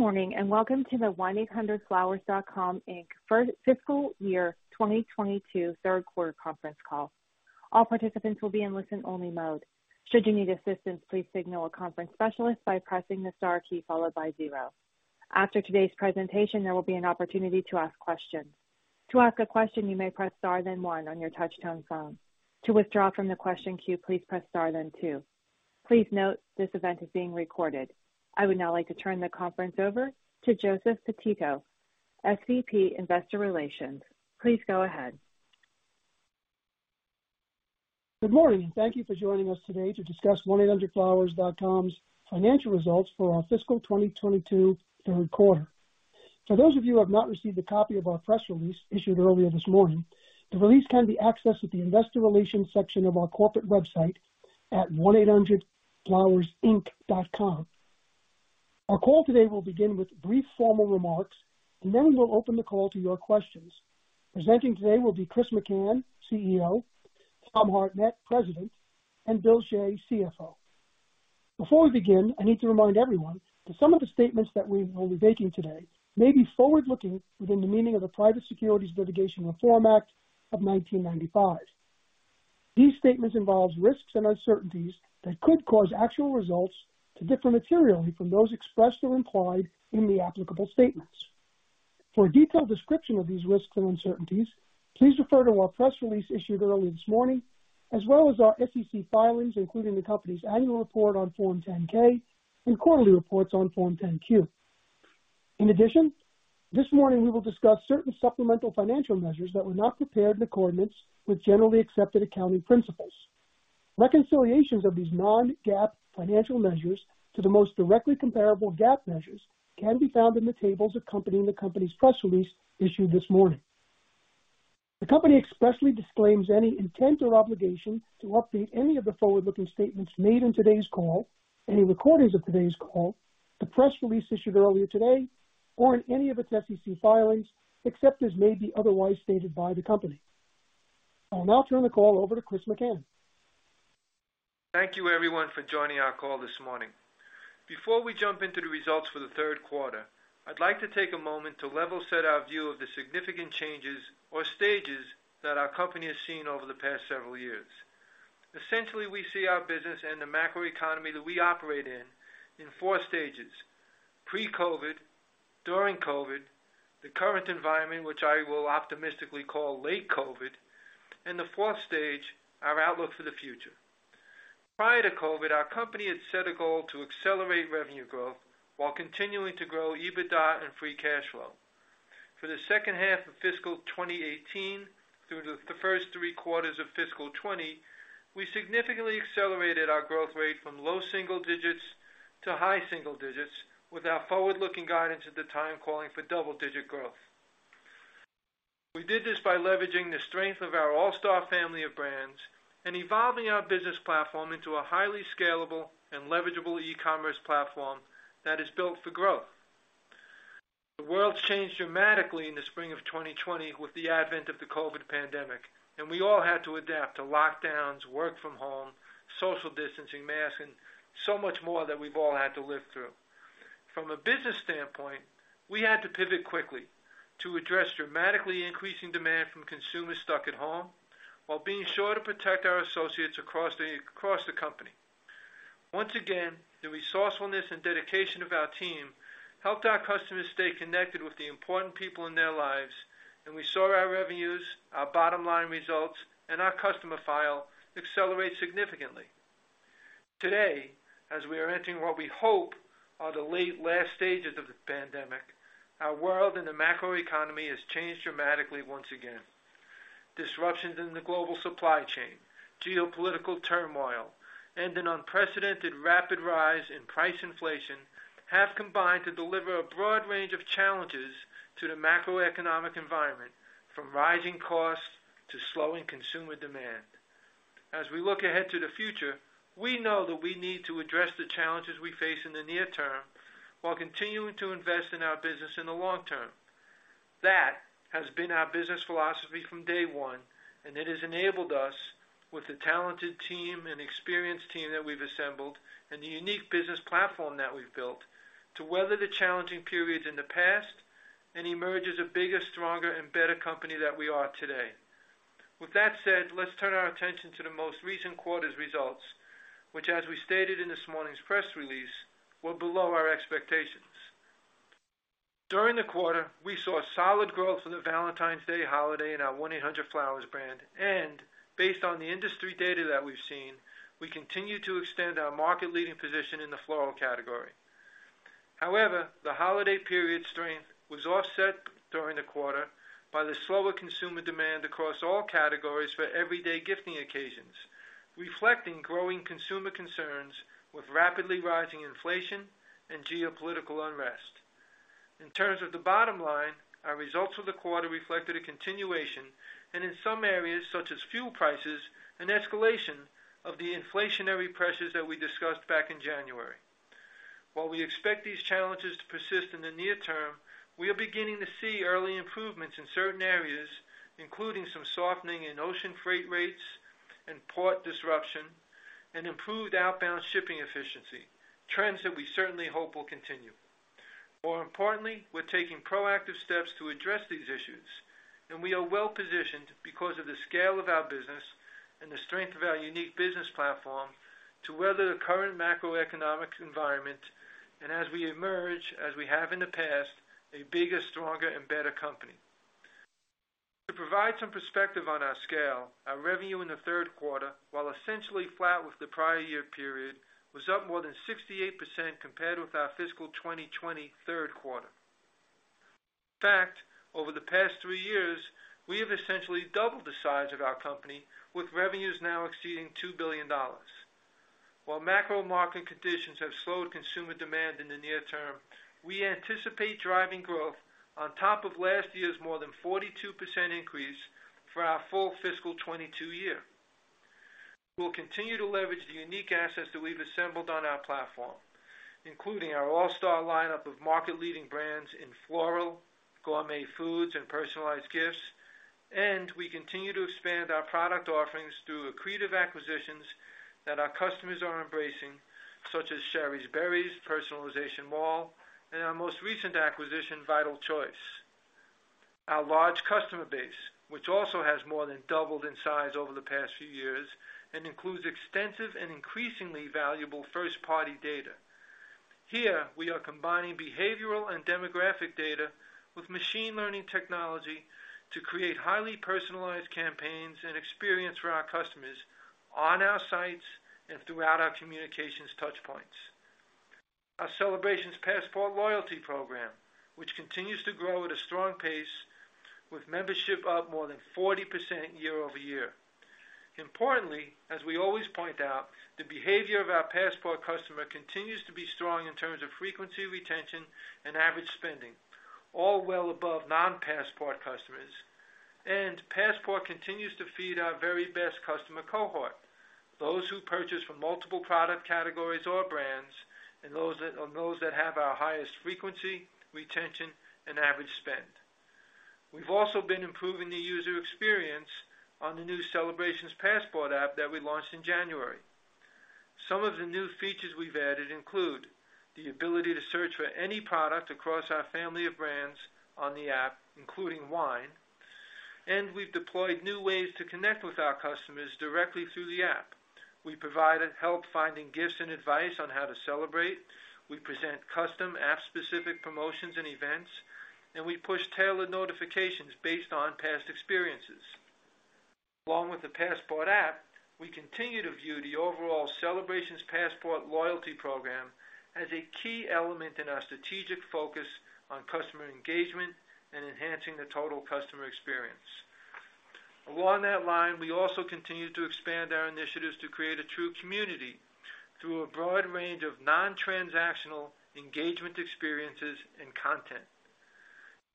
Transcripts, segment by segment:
Good morning, and welcome to the 1-800-FLOWERS.COM, Inc. fiscal year 2022 third quarter conference call. All participants will be in listen-only mode. Should you need assistance, please signal a conference specialist by pressing the star key followed by zero. After today's presentation, there will be an opportunity to ask questions. To ask a question, you may press star then one on your touchtone phone. To withdraw from the question queue, please press star then two. Please note this event is being recorded. I would now like to turn the conference over to Joseph Pititto, SVP, Investor Relations. Please go ahead. Good morning. Thank you for joining us today to discuss 1-800-FLOWERS.COM's financial results for our fiscal 2022 third quarter. For those of you who have not received a copy of our press release issued earlier this morning, the release can be accessed at the Investor Relations section of our corporate website at 1800flowers.com. Our call today will begin with brief formal remarks, and then we'll open the call to your questions. Presenting today will be Chris McCann, CEO, Tom Hartnett, President, and Bill Shea, CFO. Before we begin, I need to remind everyone that some of the statements that we will be making today may be forward-looking within the meaning of the Private Securities Litigation Reform Act of 1995. These statements involve risks and uncertainties that could cause actual results to differ materially from those expressed or implied in the applicable statements. For a detailed description of these risks and uncertainties, please refer to our press release issued earlier this morning, as well as our SEC filings, including the company's annual report on Form 10-K and quarterly reports on Form 10-Q. In addition, this morning we will discuss certain supplemental financial measures that were not prepared in accordance with generally accepted accounting principles. Reconciliations of these non-GAAP financial measures to the most directly comparable GAAP measures can be found in the tables accompanying the company's press release issued this morning. The company expressly disclaims any intent or obligation to update any of the forward-looking statements made in today's call, any recordings of today's call, the press release issued earlier today, or in any of its SEC filings, except as may be otherwise stated by the company. I will now turn the call over to Chris McCann. Thank you, everyone, for joining our call this morning. Before we jump into the results for the third quarter, I'd like to take a moment to level set our view of the significant changes or stages that our company has seen over the past several years. Essentially, we see our business and the macroeconomy that we operate in in four stages. Pre-COVID, during COVID, the current environment, which I will optimistically call late COVID, and the fourth stage, our outlook for the future. Prior to COVID, our company had set a goal to accelerate revenue growth while continuing to grow EBITDA and free cash flow. For the second half of fiscal 2018 through the first three quarters of fiscal 2020, we significantly accelerated our growth rate from low single digits to high single digits with our forward-looking guidance at the time calling for double-digit growth. We did this by leveraging the strength of our all-star family of brands and evolving our business platform into a highly scalable and leverageable e-commerce platform that is built for growth. The world's changed dramatically in the spring of 2020 with the advent of the COVID pandemic, and we all had to adapt to lockdowns, work from home, social distancing, masking, so much more that we've all had to live through. From a business standpoint, we had to pivot quickly to address dramatically increasing demand from consumers stuck at home while being sure to protect our associates across the company. Once again, the resourcefulness and dedication of our team helped our customers stay connected with the important people in their lives, and we saw our revenues, our bottom-line results, and our customer file accelerate significantly. Today, as we are entering what we hope are the late last stages of the pandemic, our world and the macroeconomy has changed dramatically once again. Disruptions in the global supply chain, geopolitical turmoil, and an unprecedented rapid rise in price inflation have combined to deliver a broad range of challenges to the macroeconomic environment, from rising costs to slowing consumer demand. As we look ahead to the future, we know that we need to address the challenges we face in the near term while continuing to invest in our business in the long term. That has been our business philosophy from day one, and it has enabled us with the talented team and experienced team that we've assembled and the unique business platform that we've built to weather the challenging periods in the past and emerge as a bigger, stronger, and better company that we are today. With that said, let's turn our attention to the most recent quarter's results, which, as we stated in this morning's press release, were below our expectations. During the quarter, we saw solid growth for the Valentine's Day holiday in our 1-800-FLOWERS.COM brand, and based on the industry data that we've seen, we continue to extend our market-leading position in the floral category. However, the holiday period strength was offset during the quarter by the slower consumer demand across all categories for everyday gifting occasions, reflecting growing consumer concerns with rapidly rising inflation and geopolitical unrest. In terms of the bottom line, our results for the quarter reflected a continuation, and in some areas, such as fuel prices, an escalation of the inflationary pressures that we discussed back in January. While we expect these challenges to persist in the near term, we are beginning to see early improvements in certain areas, including some softening in ocean freight rates and port disruption, and improved outbound shipping efficiency, trends that we certainly hope will continue. More importantly, we're taking proactive steps to address these issues, and we are well-positioned because of the scale of our business and the strength of our unique business platform to weather the current macroeconomic environment, and as we emerge, as we have in the past, a bigger, stronger, and better company. To provide some perspective on our scale, our revenue in the third quarter, while essentially flat with the prior year period, was up more than 68% compared with our fiscal 2020 third quarter. In fact, over the past three years, we have essentially doubled the size of our company, with revenues now exceeding $2 billion. While macro market conditions have slowed consumer demand in the near term, we anticipate driving growth on top of last year's more than 42% increase for our full fiscal 2022 year. We'll continue to leverage the unique assets that we've assembled on our platform, including our all-star lineup of market-leading brands in floral, gourmet foods, and personalized gifts, and we continue to expand our product offerings through accretive acquisitions that our customers are embracing, such as Shari's Berries, Personalization Mall, and our most recent acquisition, Vital Choice. Our large customer base, which also has more than doubled in size over the past few years and includes extensive and increasingly valuable first-party data. Here, we are combining behavioral and demographic data with machine learning technology to create highly personalized campaigns and experience for our customers on our sites and throughout our communications touchpoints. Our Celebrations Passport loyalty program, which continues to grow at a strong pace with membership up more than 40% year-over-year. Importantly, as we always point out, the behavior of our Passport customer continues to be strong in terms of frequency, retention, and average spending, all well above non-Passport customers. Passport continues to feed our very best customer cohort, those who purchase from multiple product categories or brands and those that have our highest frequency, retention, and average spend. We've also been improving the user experience on the new Celebrations Passport app that we launched in January. Some of the new features we've added include the ability to search for any product across our family of brands on the app, including wine, and we've deployed new ways to connect with our customers directly through the app. We provided help finding gifts and advice on how to celebrate, we present custom app-specific promotions and events, and we push tailored notifications based on past experiences. Along with the Passport app, we continue to view the overall Celebrations Passport loyalty program as a key element in our strategic focus on customer engagement and enhancing the total customer experience. Along that line, we also continue to expand our initiatives to create a true community through a broad range of non-transactional engagement experiences and content.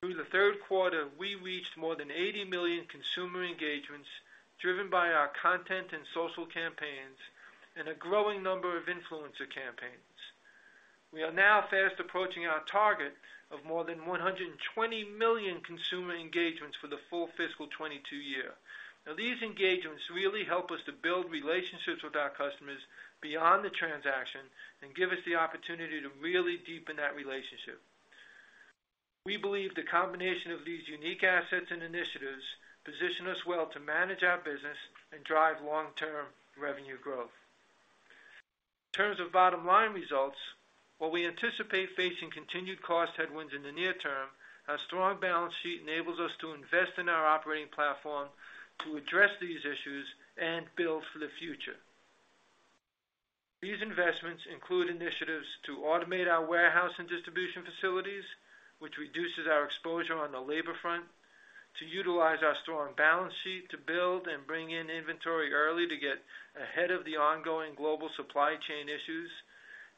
Through the third quarter, we reached more than 80 million consumer engagements driven by our content and social campaigns and a growing number of influencer campaigns. We are now fast approaching our target of more than 120 million consumer engagements for the full fiscal 2022 year. Now, these engagements really help us to build relationships with our customers beyond the transaction and give us the opportunity to really deepen that relationship. We believe the combination of these unique assets and initiatives position us well to manage our business and drive long-term revenue growth. In terms of bottom-line results, while we anticipate facing continued cost headwinds in the near term, our strong balance sheet enables us to invest in our operating platform to address these issues and build for the future. These investments include initiatives to automate our warehouse and distribution facilities, which reduces our exposure on the labor front, to utilize our strong balance sheet to build and bring in inventory early to get ahead of the ongoing global supply chain issues,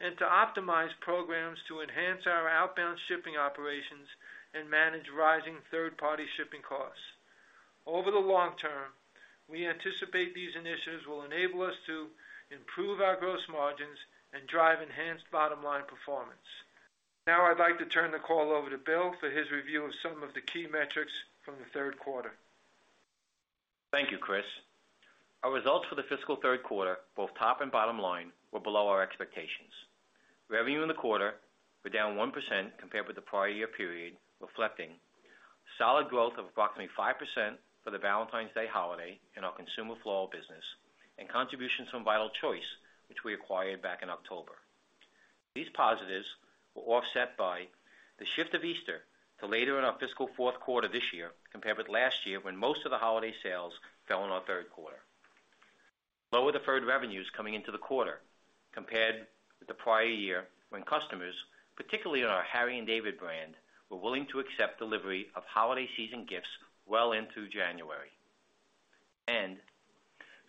and to optimize programs to enhance our outbound shipping operations and manage rising third-party shipping costs. Over the long term, we anticipate these initiatives will enable us to improve our gross margins and drive enhanced bottom-line performance. Now I'd like to turn the call over to Bill for his review of some of the key metrics from the third quarter. Thank you, Chris. Our results for the fiscal third quarter, both top and bottom line, were below our expectations. Revenue in the quarter were down 1% compared with the prior year period, reflecting solid growth of approximately 5% for the Valentine's Day holiday in our consumer floral business and contributions from Vital Choice, which we acquired back in October. These positives were offset by the shift of Easter to later in our fiscal fourth quarter this year compared with last year when most of the holiday sales fell in our third quarter. Lower deferred revenues coming into the quarter compared with the prior year when customers, particularly in our Harry & David brand, were willing to accept delivery of holiday season gifts well into January.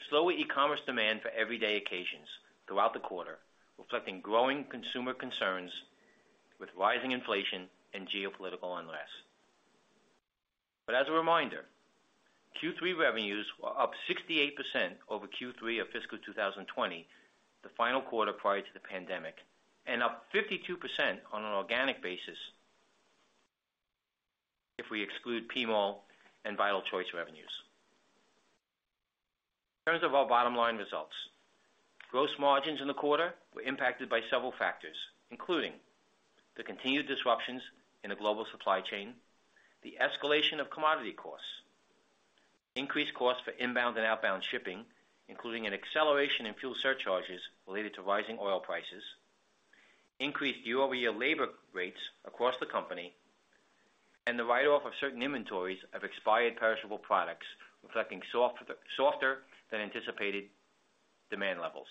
Slower e-commerce demand for everyday occasions throughout the quarter, reflecting growing consumer concerns with rising inflation and geopolitical unrest. As a reminder, Q3 revenues were up 68% over Q3 of fiscal 2020, the final quarter prior to the pandemic, and up 52% on an organic basis. If we exclude PMall and Vital Choice revenues. In terms of our bottom line results, gross margins in the quarter were impacted by several factors, including the continued disruptions in the global supply chain, the escalation of commodity costs, increased costs for inbound and outbound shipping, including an acceleration in fuel surcharges related to rising oil prices, increased year-over-year labor rates across the company, and the write-off of certain inventories of expired perishable products, reflecting softer than anticipated demand levels.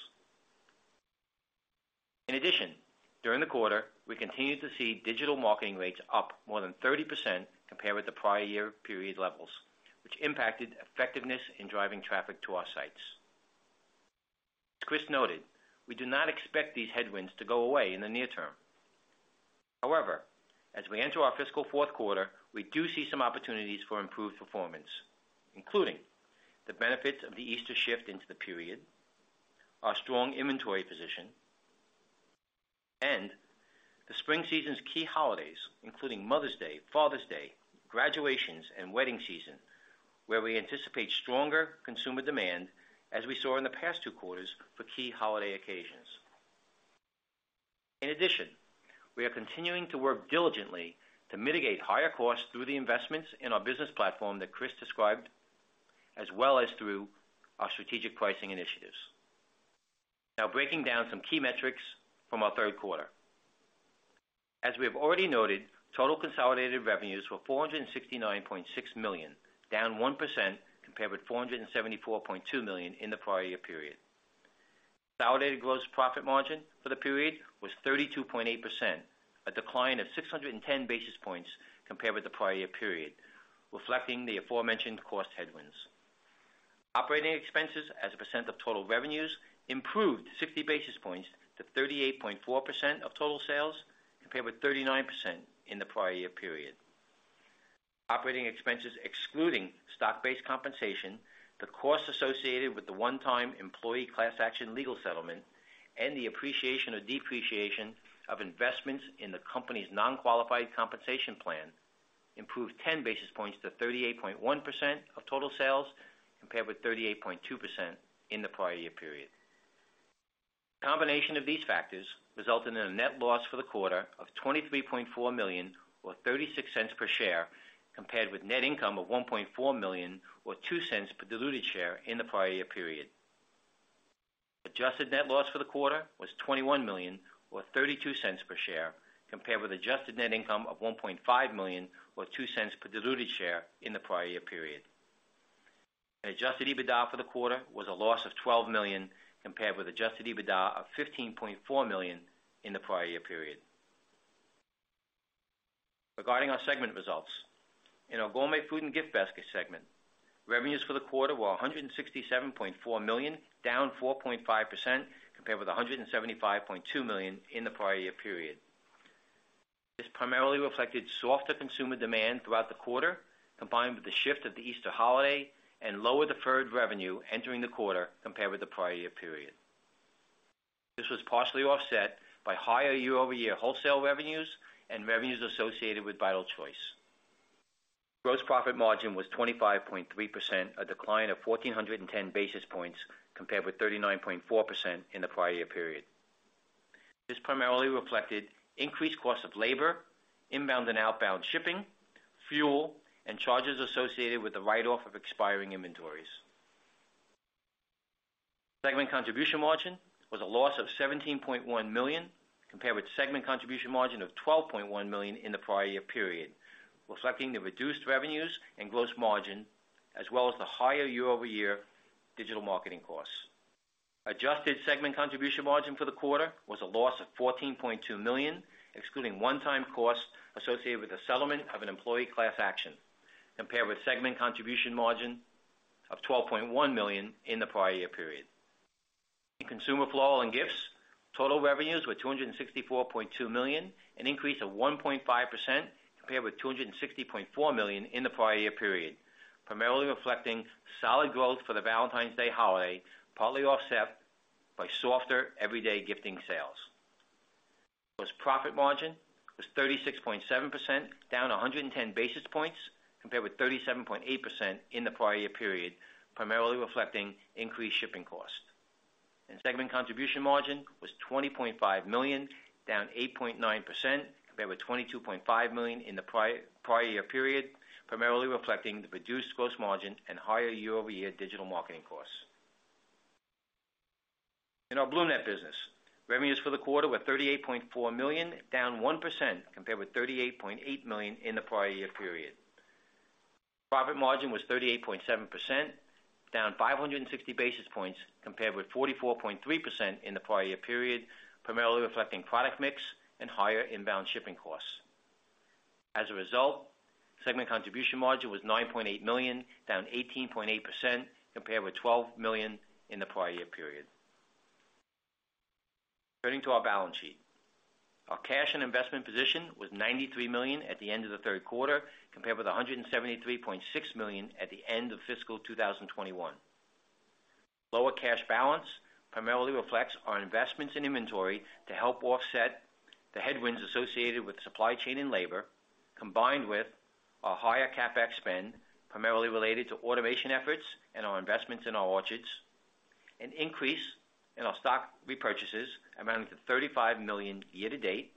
In addition, during the quarter, we continued to see digital marketing rates up more than 30% compared with the prior year period levels, which impacted effectiveness in driving traffic to our sites. As Chris noted, we do not expect these headwinds to go away in the near term. However, as we enter our fiscal fourth quarter, we do see some opportunities for improved performance, including the benefits of the Easter shift into the period, our strong inventory position, and the spring season's key holidays, including Mother's Day, Father's Day, graduations, and wedding season, where we anticipate stronger consumer demand as we saw in the past two quarters for key holiday occasions. In addition, we are continuing to work diligently to mitigate higher costs through the investments in our business platform that Chris described, as well as through our strategic pricing initiatives. Now breaking down some key metrics from our third quarter. As we have already noted, total consolidated revenues were $469.6 million, down 1% compared with $474.2 million in the prior year period. Consolidated gross profit margin for the period was 32.8%, a decline of 610 basis points compared with the prior year period, reflecting the aforementioned cost headwinds. Operating expenses as a percent of total revenues improved 60 basis points to 38.4% of total sales compared with 39% in the prior year period. Operating expenses excluding stock-based compensation, the costs associated with the one-time employee class action legal settlement, and the appreciation or depreciation of investments in the company's non-qualified compensation plan, improved 10 basis points to 38.1% of total sales compared with 38.2% in the prior year period. Combination of these factors resulted in a net loss for the quarter of $23.4 million or $0.36 per share, compared with net income of $1.4 million or $0.02 per diluted share in the prior year period. Adjusted net loss for the quarter was $21 million or $0.32 per share, compared with adjusted net income of $1.5 million or $0.02 per diluted share in the prior year period. Adjusted EBITDA for the quarter was a loss of $12 million, compared with adjusted EBITDA of $15.4 million in the prior year period. Regarding our segment results, in our Gourmet Food and Gift Baskets segment, revenues for the quarter were $167.4 million, down 4.5% compared with $175.2 million in the prior year period. This primarily reflected softer consumer demand throughout the quarter, combined with the shift of the Easter holiday and lower deferred revenue entering the quarter compared with the prior year period. This was partially offset by higher year-over-year wholesale revenues and revenues associated with Vital Choice. Gross profit margin was 25.3%, a decline of 1,410 basis points compared with 39.4% in the prior year period. This primarily reflected increased cost of labor, inbound and outbound shipping, fuel, and charges associated with the write-off of expiring inventories. Segment contribution margin was a loss of $17.1 million, compared with segment contribution margin of $12.1 million in the prior year period, reflecting the reduced revenues and gross margin, as well as the higher year-over-year digital marketing costs. Adjusted segment contribution margin for the quarter was a loss of $14.2 million, excluding one-time costs associated with the settlement of an employee class action, compared with segment contribution margin of $12.1 million in the prior year period. In Consumer Floral & Gifts, total revenues were $264.2 million, an increase of 1.5% compared with $260.4 million in the prior year period, primarily reflecting solid growth for the Valentine's Day holiday, partly offset by softer everyday gifting sales. Gross profit margin was 36.7%, down 110 basis points compared with 37.8% in the prior year period, primarily reflecting increased shipping costs. Segment contribution margin was $20.5 million, down 8.9% compared with $22.5 million in the prior year period, primarily reflecting the reduced gross margin and higher year-over-year digital marketing costs. In our BloomNet business, revenues for the quarter were $38.4 million, down 1% compared with $38.8 million in the prior year period. Profit margin was 38.7%, down 560 basis points compared with 44.3% in the prior year period, primarily reflecting product mix and higher inbound shipping costs. As a result, segment contribution margin was $9.8 million, down 18.8% compared with $12 million in the prior year period. Turning to our balance sheet. Our cash and investment position was $93 million at the end of the third quarter, compared with $173.6 million at the end of fiscal 2021. Lower cash balance primarily reflects our investments in inventory to help offset the headwinds associated with supply chain and labor, combined with our higher CapEx spend, primarily related to automation efforts and our investments in our orchards, an increase in our stock repurchases amounting to $35 million year-to-date,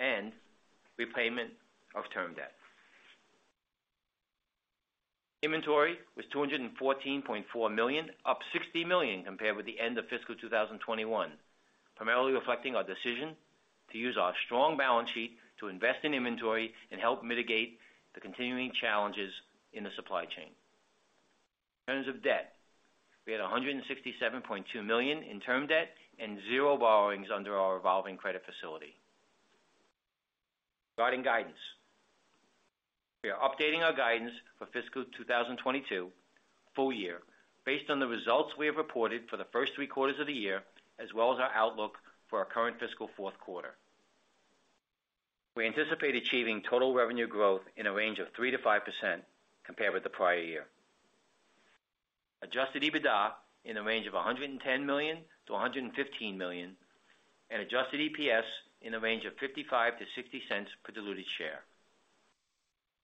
and repayment of term debt. Inventory was $214.4 million, up $60 million compared with the end of fiscal 2021, primarily reflecting our decision to use our strong balance sheet to invest in inventory and help mitigate the continuing challenges in the supply chain. In terms of debt, we had $167.2 million in term debt and zero borrowings under our revolving credit facility. Regarding guidance, we are updating our guidance for fiscal 2022 full year based on the results we have reported for the first three quarters of the year, as well as our outlook for our current fiscal fourth quarter. We anticipate achieving total revenue growth in a range of 3%-5% compared with the prior year. Adjusted EBITDA in the range of $110 million-$115 million, and Adjusted EPS in the range of $0.55-$0.60 per diluted share.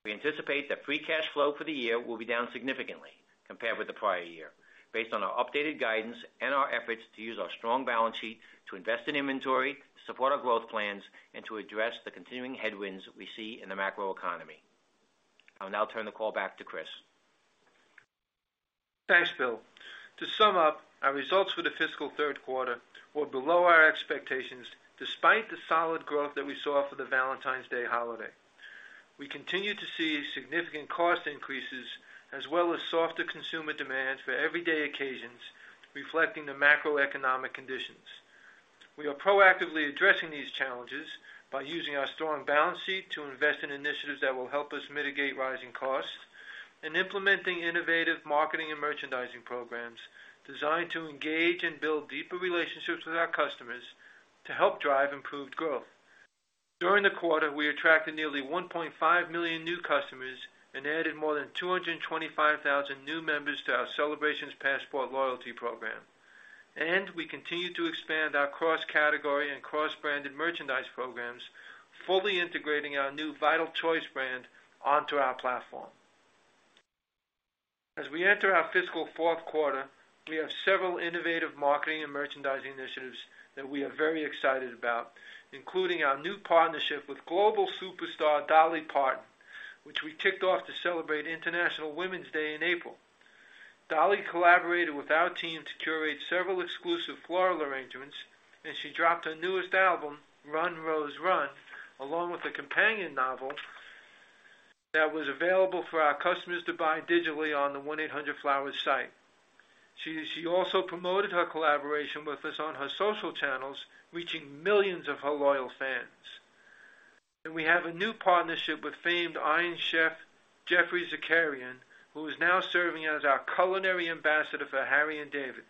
We anticipate that free cash flow for the year will be down significantly compared with the prior year based on our updated guidance and our efforts to use our strong balance sheet to invest in inventory, support our growth plans, and to address the continuing headwinds we see in the macro economy. I'll now turn the call back to Chris. Thanks, Bill. To sum up, our results for the fiscal third quarter were below our expectations, despite the solid growth that we saw for the Valentine's Day holiday. We continue to see significant cost increases as well as softer consumer demand for everyday occasions, reflecting the macroeconomic conditions. We are proactively addressing these challenges by using our strong balance sheet to invest in initiatives that will help us mitigate rising costs and implementing innovative marketing and merchandising programs designed to engage and build deeper relationships with our customers to help drive improved growth. During the quarter, we attracted nearly 1.5 million new customers and added more than 225,000 new members to our Celebrations Passport loyalty program. We continued to expand our cross-category and cross-branded merchandise programs, fully integrating our new Vital Choice brand onto our platform. As we enter our fiscal fourth quarter, we have several innovative marketing and merchandising initiatives that we are very excited about, including our new partnership with global superstar Dolly Parton, which we kicked off to celebrate International Women's Day in April. Dolly collaborated with our team to curate several exclusive floral arrangements, and she dropped her newest album, Run, Rose, Run, along with a companion novel that was available for our customers to buy digitally on the 1-800-FLOWERS.COM site. She also promoted her collaboration with us on her social channels, reaching millions of her loyal fans. We have a new partnership with famed Iron Chef Geoffrey Zakarian, who is now serving as our culinary ambassador for Harry & David.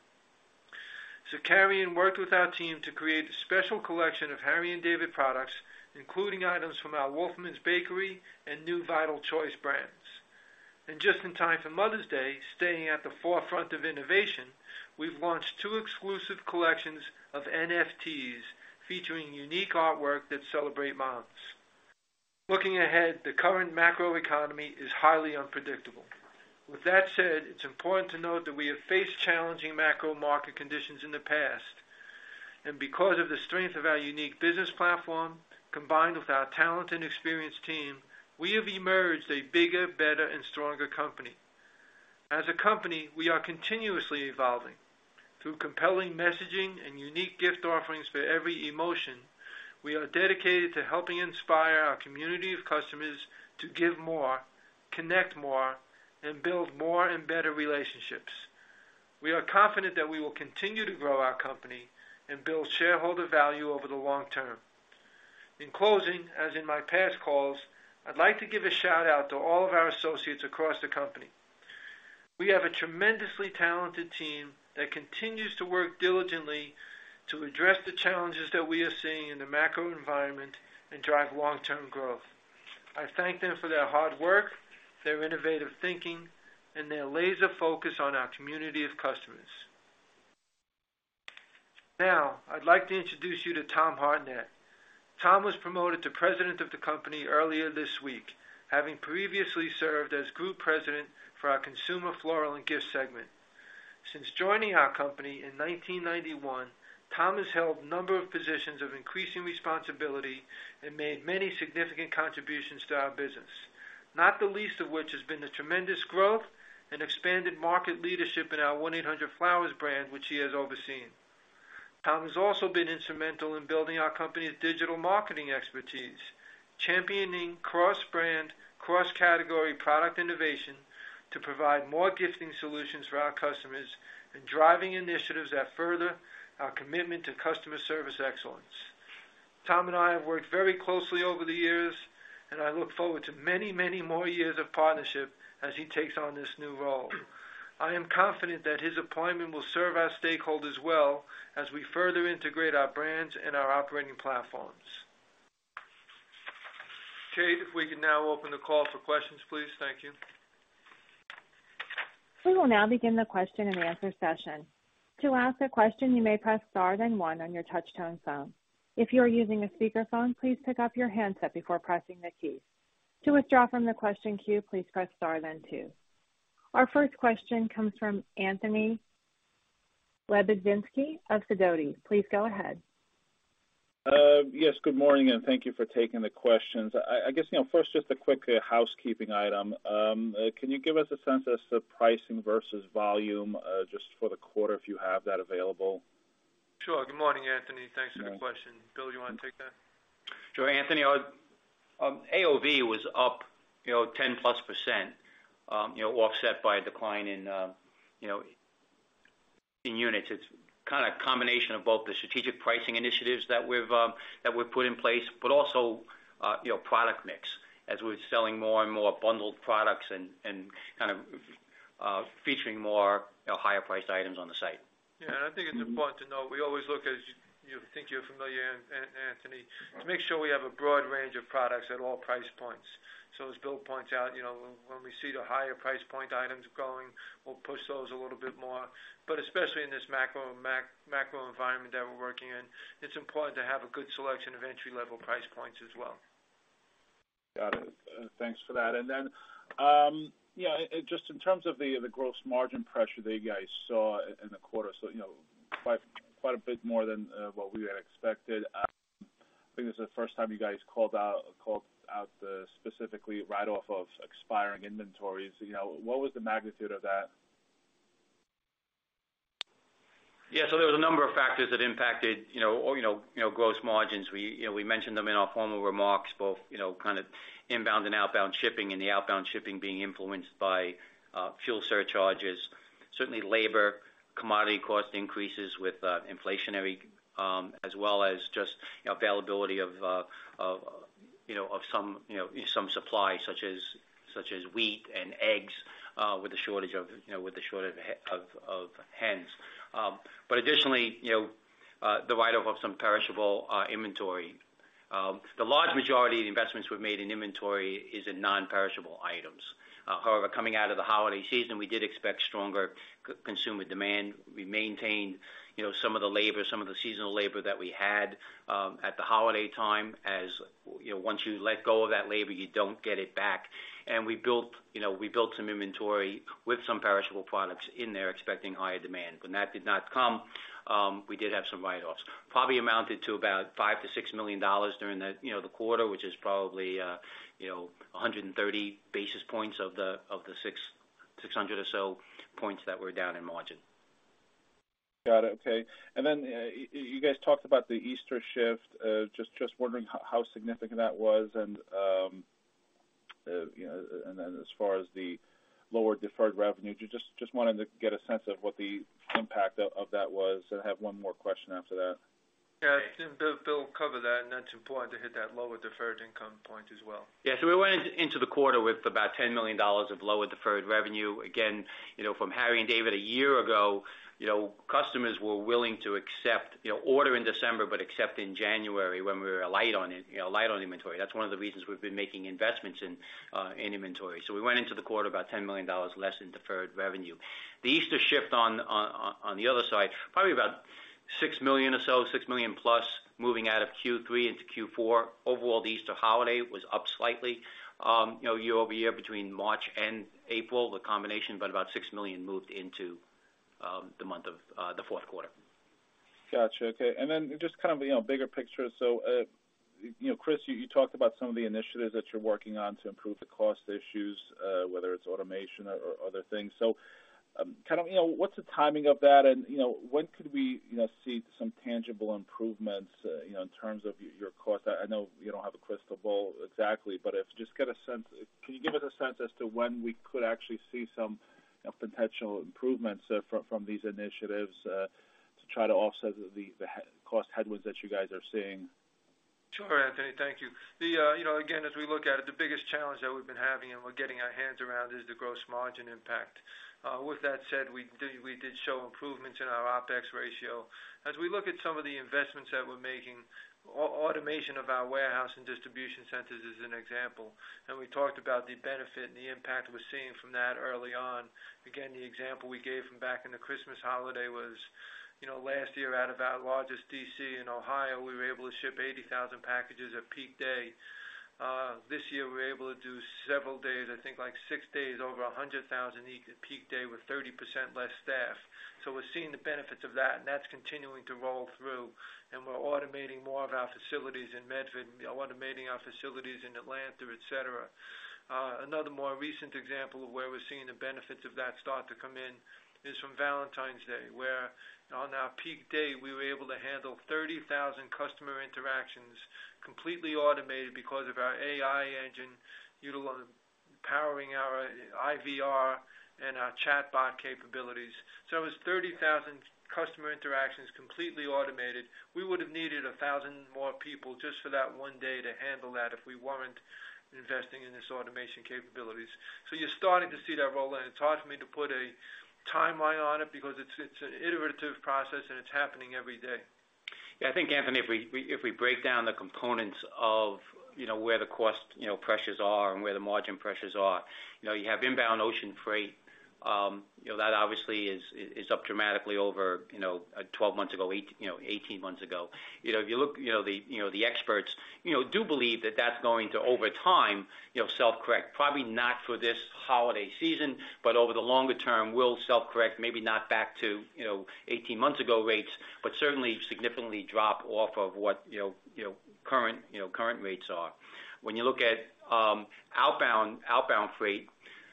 Zakarian worked with our team to create a special collection of Harry & David products, including items from our Wolferman's Bakery and new Vital Choice brands. Just in time for Mother's Day, staying at the forefront of innovation, we've launched two exclusive collections of NFTs featuring unique artwork that celebrate moms. Looking ahead, the current macro economy is highly unpredictable. With that said, it's important to note that we have faced challenging macro market conditions in the past, and because of the strength of our unique business platform, combined with our talent and experienced team, we have emerged a bigger, better, and stronger company. As a company, we are continuously evolving. Through compelling messaging and unique gift offerings for every emotion, we are dedicated to helping inspire our community of customers to give more, connect more, and build more and better relationships. We are confident that we will continue to grow our company and build shareholder value over the long term. In closing, as in my past calls, I'd like to give a shout-out to all of our associates across the company. We have a tremendously talented team that continues to work diligently to address the challenges that we are seeing in the macro environment and drive long-term growth. I thank them for their hard work, their innovative thinking, and their laser focus on our community of customers. Now, I'd like to introduce you to Tom Hartnett. Tom was promoted to President of the company earlier this week, having previously served as Group President for our Consumer Floral and Gift segment. Since joining our company in 1991, Tom has held a number of positions of increasing responsibility and made many significant contributions to our business, not the least of which has been the tremendous growth and expanded market leadership in our 1-800-FLOWERS.COM brand, which he has overseen. Tom has also been instrumental in building our company's digital marketing expertise, championing cross-brand, cross-category product innovation to provide more gifting solutions for our customers and driving initiatives that further our commitment to customer service excellence. Tom and I have worked very closely over the years, and I look forward to many, many more years of partnership as he takes on this new role. I am confident that his appointment will serve our stakeholders well as we further integrate our brands and our operating platforms. Kate, if we can now open the call for questions, please. Thank you. We will now begin the question and answer session. To ask a question, you may press star, then one on your touchtone phone. If you are using a speakerphone, please pick up your handset before pressing the keys. To withdraw from the question queue, please press star then two. Our first question comes from Anthony Lebiedzinski of Sidoti. Please go ahead. Yes, good morning, and thank you for taking the questions. I guess, you know, first, just a quick housekeeping item. Can you give us a sense as to pricing versus volume, just for the quarter, if you have that available? Sure. Good morning, Anthony. Thanks for the question. Bill, you wanna take that? Sure, Anthony. AOV was up, you know, 10+%, offset by a decline in units. It's kinda a combination of both the strategic pricing initiatives that we've put in place, but also product mix as we're selling more and more bundled products and kind of featuring more higher priced items on the site. Yeah. I think it's important to note, we always look to, you know, I think you're familiar, Anthony, to make sure we have a broad range of products at all price points. As Bill points out, you know, when we see the higher price point items growing, we'll push those a little bit more. Especially in this macro environment that we're working in, it's important to have a good selection of entry-level price points as well. Got it. Thanks for that. Just in terms of the gross margin pressure that you guys saw in the quarter, you know, quite a bit more than what we had expected. I think it's the first time you guys called out the specific write-off of expiring inventories. You know, what was the magnitude of that? There was a number of factors that impacted, you know, gross margins. We, you know, mentioned them in our formal remarks, both, you know, kind of inbound and outbound shipping, and the outbound shipping being influenced by fuel surcharges, certainly labor, commodity cost increases with inflationary, as well as just availability of, you know, of some, you know, some supply such as wheat and eggs, with the shortage of hens. Additionally, you know, the write off of some perishable inventory. The large majority of the investments we've made in inventory is in non-perishable items. However, coming out of the holiday season, we did expect stronger consumer demand. We maintained, you know, some of the labor, some of the seasonal labor that we had at the holiday time. As, you know, once you let go of that labor, you don't get it back. We built, you know, some inventory with some perishable products in there expecting higher demand. When that did not come, we did have some write-offs, probably amounted to about $5-$6 million during the, you know, the quarter, which is probably, you know, 100 basis points of the 600 or so points that were down in margin. Got it. Okay. You guys talked about the Easter shift. Just wondering how significant that was. You know, and then as far as the lower deferred revenue, just wanted to get a sense of what the impact of that was. I have one more question after that. Yeah. Bill will cover that. That's important to hit that lower deferred income point as well. Yeah. We went into the quarter with about $10 million of lower deferred revenue. Again, you know, from Harry & David a year ago, you know, customers were willing to accept, you know, order in December, but accept in January when we were light on inventory. That's one of the reasons we've been making investments in inventory. We went into the quarter about $10 million less in deferred revenue. The Easter shift on the other side, probably about $6 million or so, $6 million+ moving out of Q3 into Q4. Overall, the Easter holiday was up slightly, you know, year-over-year between March and April, the combination, but about $6 million moved into the month of the fourth quarter. Gotcha. Okay. Just kind of, you know, bigger picture. You know, Chris, you talked about some of the initiatives that you're working on to improve the cost issues, whether it's automation or other things. Kind of, you know, what's the timing of that? You know, when could we, you know, see some tangible improvements, you know, in terms of your cost? I know you don't have a crystal ball exactly, just get a sense. Can you give us a sense as to when we could actually see some potential improvements, from these initiatives, to try to offset the cost headwinds that you guys are seeing? Sure, Anthony. Thank you. Again, as we look at it, the biggest challenge that we've been having and we're getting our hands around is the gross margin impact. With that said, we did show improvements in our OpEx ratio. As we look at some of the investments that we're making, automation of our warehouse and distribution centers is an example. We talked about the benefit and the impact we're seeing from that early on. Again, the example we gave from back in the Christmas holiday was, last year out of our largest DC in Ohio, we were able to ship 80,000 packages at peak day. This year we were able to do several days, I think like six days, over 100,000 each peak day with 30% less staff. We're seeing the benefits of that, and that's continuing to roll through. We're automating more of our facilities in Medford. We're automating our facilities in Atlanta, et cetera. Another more recent example of where we're seeing the benefits of that start to come in is from Valentine's Day, where on our peak day, we were able to handle 30,000 customer interactions completely automated because of our AI engine powering our IVR and our chatbot capabilities. It was 30,000 customer interactions completely automated. We would have needed 1,000 more people just for that one day to handle that if we weren't investing in this automation capabilities. You're starting to see that roll, and it's hard for me to put a timeline on it because it's an iterative process and it's happening every day. Yeah, I think, Anthony, if we break down the components of, you know, where the cost, you know, pressures are and where the margin pressures are, you know, you have inbound ocean freight, you know, that obviously is up dramatically over, you know, 12 months ago, 18 months ago. You know, if you look, you know, the experts, you know, do believe that that's going to, over time, you know, self-correct. Probably not for this holiday season, but over the longer term will self-correct, maybe not back to, you know, 18 months ago rates, but certainly significantly drop off of what current rates are. When you look at outbound freight,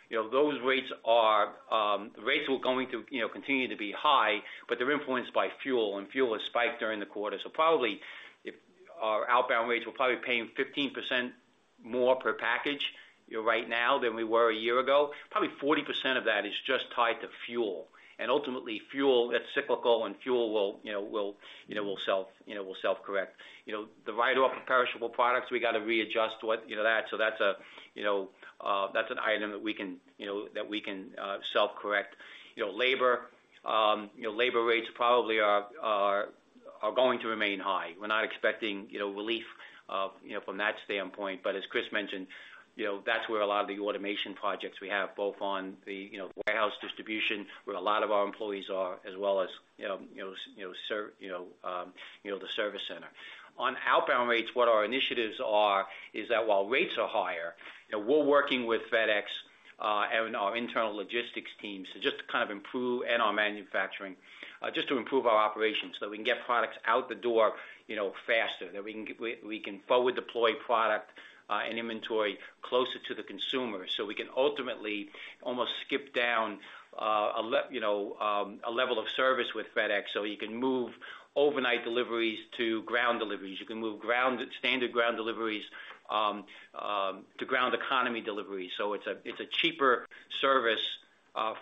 you know, those rates were going to continue to be high, but they're influenced by fuel, and fuel has spiked during the quarter. Probably our outbound rates, we're probably paying 15% more per package right now than we were a year ago. Probably 40% of that is just tied to fuel. Ultimately, fuel, that's cyclical and fuel will self-correct. You know, the write-off of perishable products, we gotta readjust what, you know, that. That's an item that we can self-correct. You know, labor rates probably are going to remain high. We're not expecting, you know, relief, you know, from that standpoint. As Chris mentioned, you know, that's where a lot of the automation projects we have both on the, you know, warehouse distribution, where a lot of our employees are, as well as, you know, the service center. On outbound rates, what our initiatives are is that while rates are higher, you know, we're working with FedEx and our internal logistics teams to just kind of improve and our manufacturing just to improve our operations so that we can get products out the door, you know, faster. That we can forward deploy product and inventory closer to the consumer. We can ultimately almost skip down a level of service with FedEx, so you can move overnight deliveries to ground deliveries. You can move ground, standard ground deliveries to ground economy deliveries. It's a cheaper service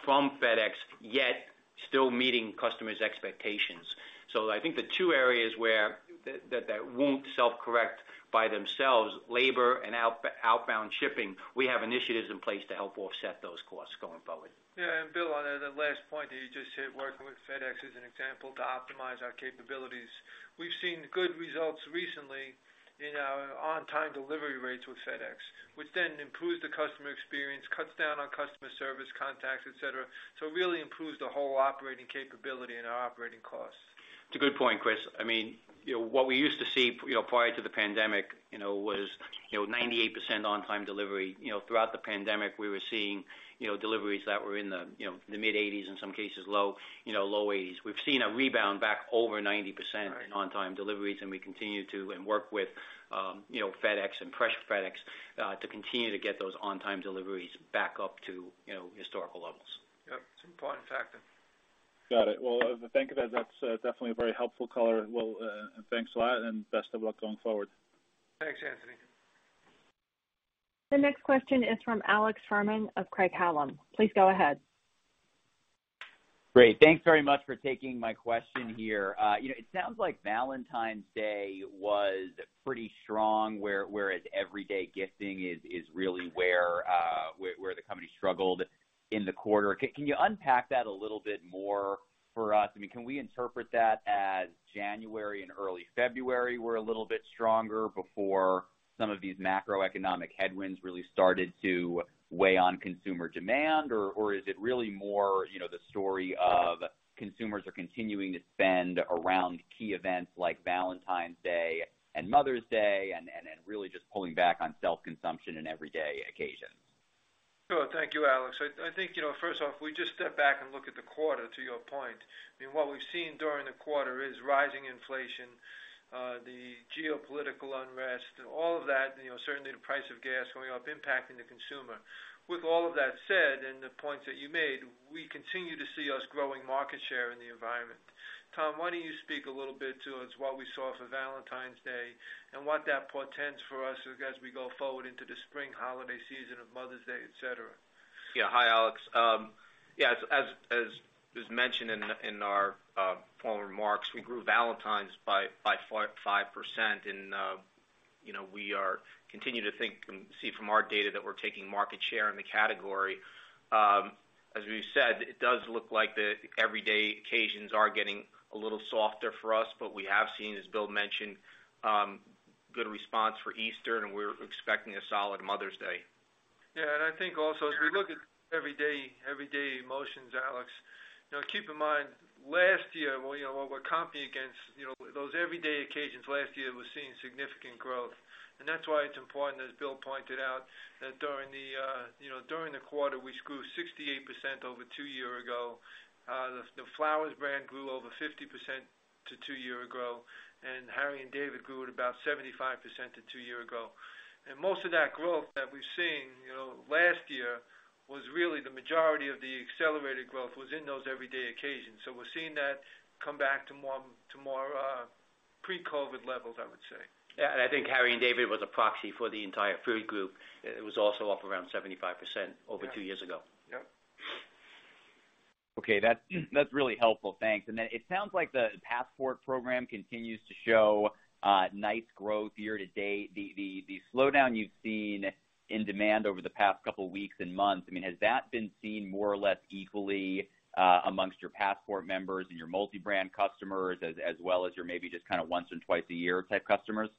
from FedEx, yet still meeting customers' expectations. I think the two areas where that won't self-correct by themselves, labor and outbound shipping, we have initiatives in place to help offset those costs going forward. Yeah, Bill, on the last point that you just said, working with FedEx as an example to optimize our capabilities. We've seen good results recently in our on-time delivery rates with FedEx, which then improves the customer experience, cuts down on customer service contacts, et cetera. It really improves the whole operating capability and our operating costs. It's a good point, Chris. I mean, you know, what we used to see, you know, prior to the pandemic, you know, was, you know, 98% on time delivery. You know, throughout the pandemic, we were seeing, you know, deliveries that were in the, you know, the mid-80s, in some cases low, you know, low 80s. We've seen a rebound back over 90%. Right. on-time deliveries, and we continue to work with, you know, FedEx and pressure FedEx to continue to get those on-time deliveries back up to, you know, historical levels. Yep, it's an important factor. Got it. Well, thank you. That's definitely a very helpful color. Well, and thanks a lot and best of luck going forward. Thanks, Anthony. The next question is from Alex Fuhrman of Craig-Hallum. Please go ahead. Great. Thanks very much for taking my question here. You know, it sounds like Valentine's Day was pretty strong, whereas everyday gifting is really where the company struggled in the quarter. Can you unpack that a little bit more for us? I mean, can we interpret that as January and early February were a little bit stronger before some of these macroeconomic headwinds really started to weigh on consumer demand? Or is it really more, you know, the story of consumers are continuing to spend around key events like Valentine's Day and Mother's Day and really just pulling back on self-consumption in everyday occasions? Sure. Thank you, Alex. I think, you know, first off, we just step back and look at the quarter, to your point. I mean, what we've seen during the quarter is rising inflation, the geopolitical unrest, all of that, you know, certainly the price of gas going up impacting the consumer. With all of that said, and the points that you made, we continue to see us growing market share in the environment. Tom, why don't you speak a little bit to us what we saw for Valentine's Day and what that portends for us as we go forward into the spring holiday season of Mother's Day, et cetera. Yeah. Hi, Alex. As mentioned in our formal remarks, we grew Valentine's by 5%. You know, we are continuing to think and see from our data that we're taking market share in the category. As we've said, it does look like the everyday occasions are getting a little softer for us, but we have seen, as Bill mentioned, good response for Easter, and we're expecting a solid Mother's Day. Yeah. I think also, as we look at everyday emotions, Alex, you know, keep in mind, last year, you know, what we're comping against, you know, those everyday occasions last year was seeing significant growth. That's why it's important, as Bill pointed out, that during the quarter, we grew 68% over two years ago. The Flowers brand grew over 50% to two years ago, and Harry & David grew at about 75% to two years ago. Most of that growth that we've seen, you know, last year was really the majority of the accelerated growth was in those everyday occasions. We're seeing that come back to more pre-COVID levels, I would say. Yeah, I think Harry & David was a proxy for the entire food group. It was also up around 75% over two years ago. Yep. Okay. That's really helpful. Thanks. It sounds like the Passport program continues to show nice growth year to date. The slowdown you've seen in demand over the past couple weeks and months, I mean, has that been seen more or less equally among your Passport members and your multi-brand customers as well as your maybe just kinda once or twice a year type customers?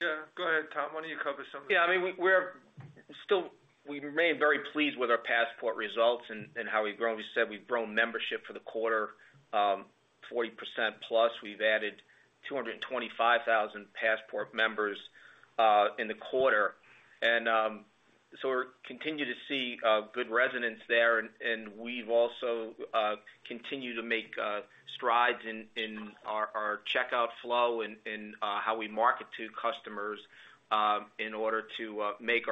Yeah, go ahead, Tom. Why don't you cover some of that? Yeah, I mean, we remain very pleased with our Passport results and how we've grown. We said we've grown membership for the quarter 20% plus. We've added 225,000 Passport members in the quarter. We continue to see good resonance there. We've also continued to make strides in our checkout flow in how we market to customers in order to make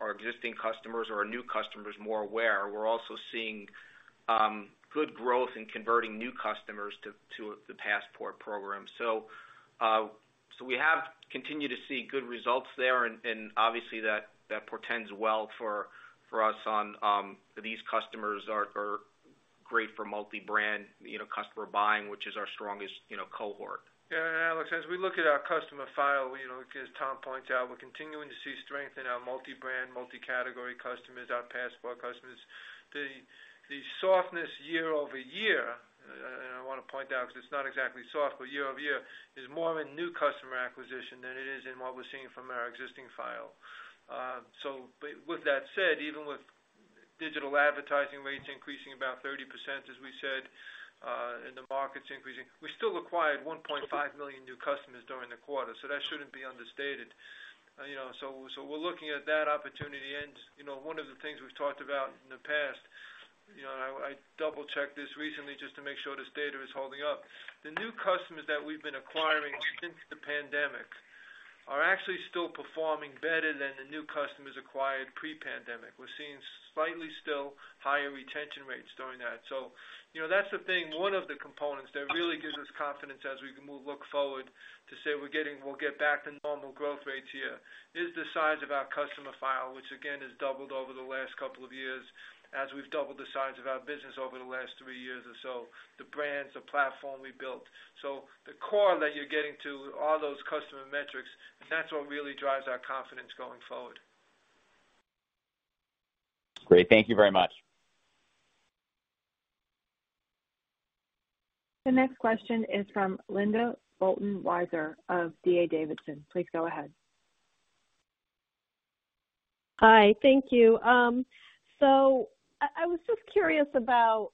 our existing customers or our new customers more aware. We're also seeing good growth in converting new customers to the Passport program. We have continued to see good results there. Obviously, that portends well for us. These customers are great for multi-brand, you know, customer buying, which is our strongest, you know, cohort. Alex, as we look at our customer file, you know, as Tom points out, we're continuing to see strength in our multi-brand, multi-category customers, our Passport customers. The softness year-over-year, and I wanna point out 'cause it's not exactly soft, but year-over-year is more of a new customer acquisition than it is in what we're seeing from our existing file. With that said, even with digital advertising rates increasing about 30%, as we said, and the markets increasing, we still acquired 1.5 million new customers during the quarter. That shouldn't be understated. You know, we're looking at that opportunity. You know, one of the things we've talked about in the past, you know, I double-checked this recently just to make sure this data is holding up. The new customers that we've been acquiring since the pandemic are actually still performing better than the new customers acquired pre-pandemic. We're seeing slightly still higher retention rates during that. You know, that's the thing. One of the components that really gives us confidence as we look forward, we'll get back to normal growth rates here, is the size of our customer file, which again has doubled over the last couple of years as we've doubled the size of our business over the last three years or so, the brands, the platform we built. The core that you're getting to are those customer metrics, and that's what really drives our confidence going forward. Great. Thank you very much. The next question is from Linda Bolton Weiser of D.A. Davidson. Please go ahead. Hi. Thank you. So I was just curious about,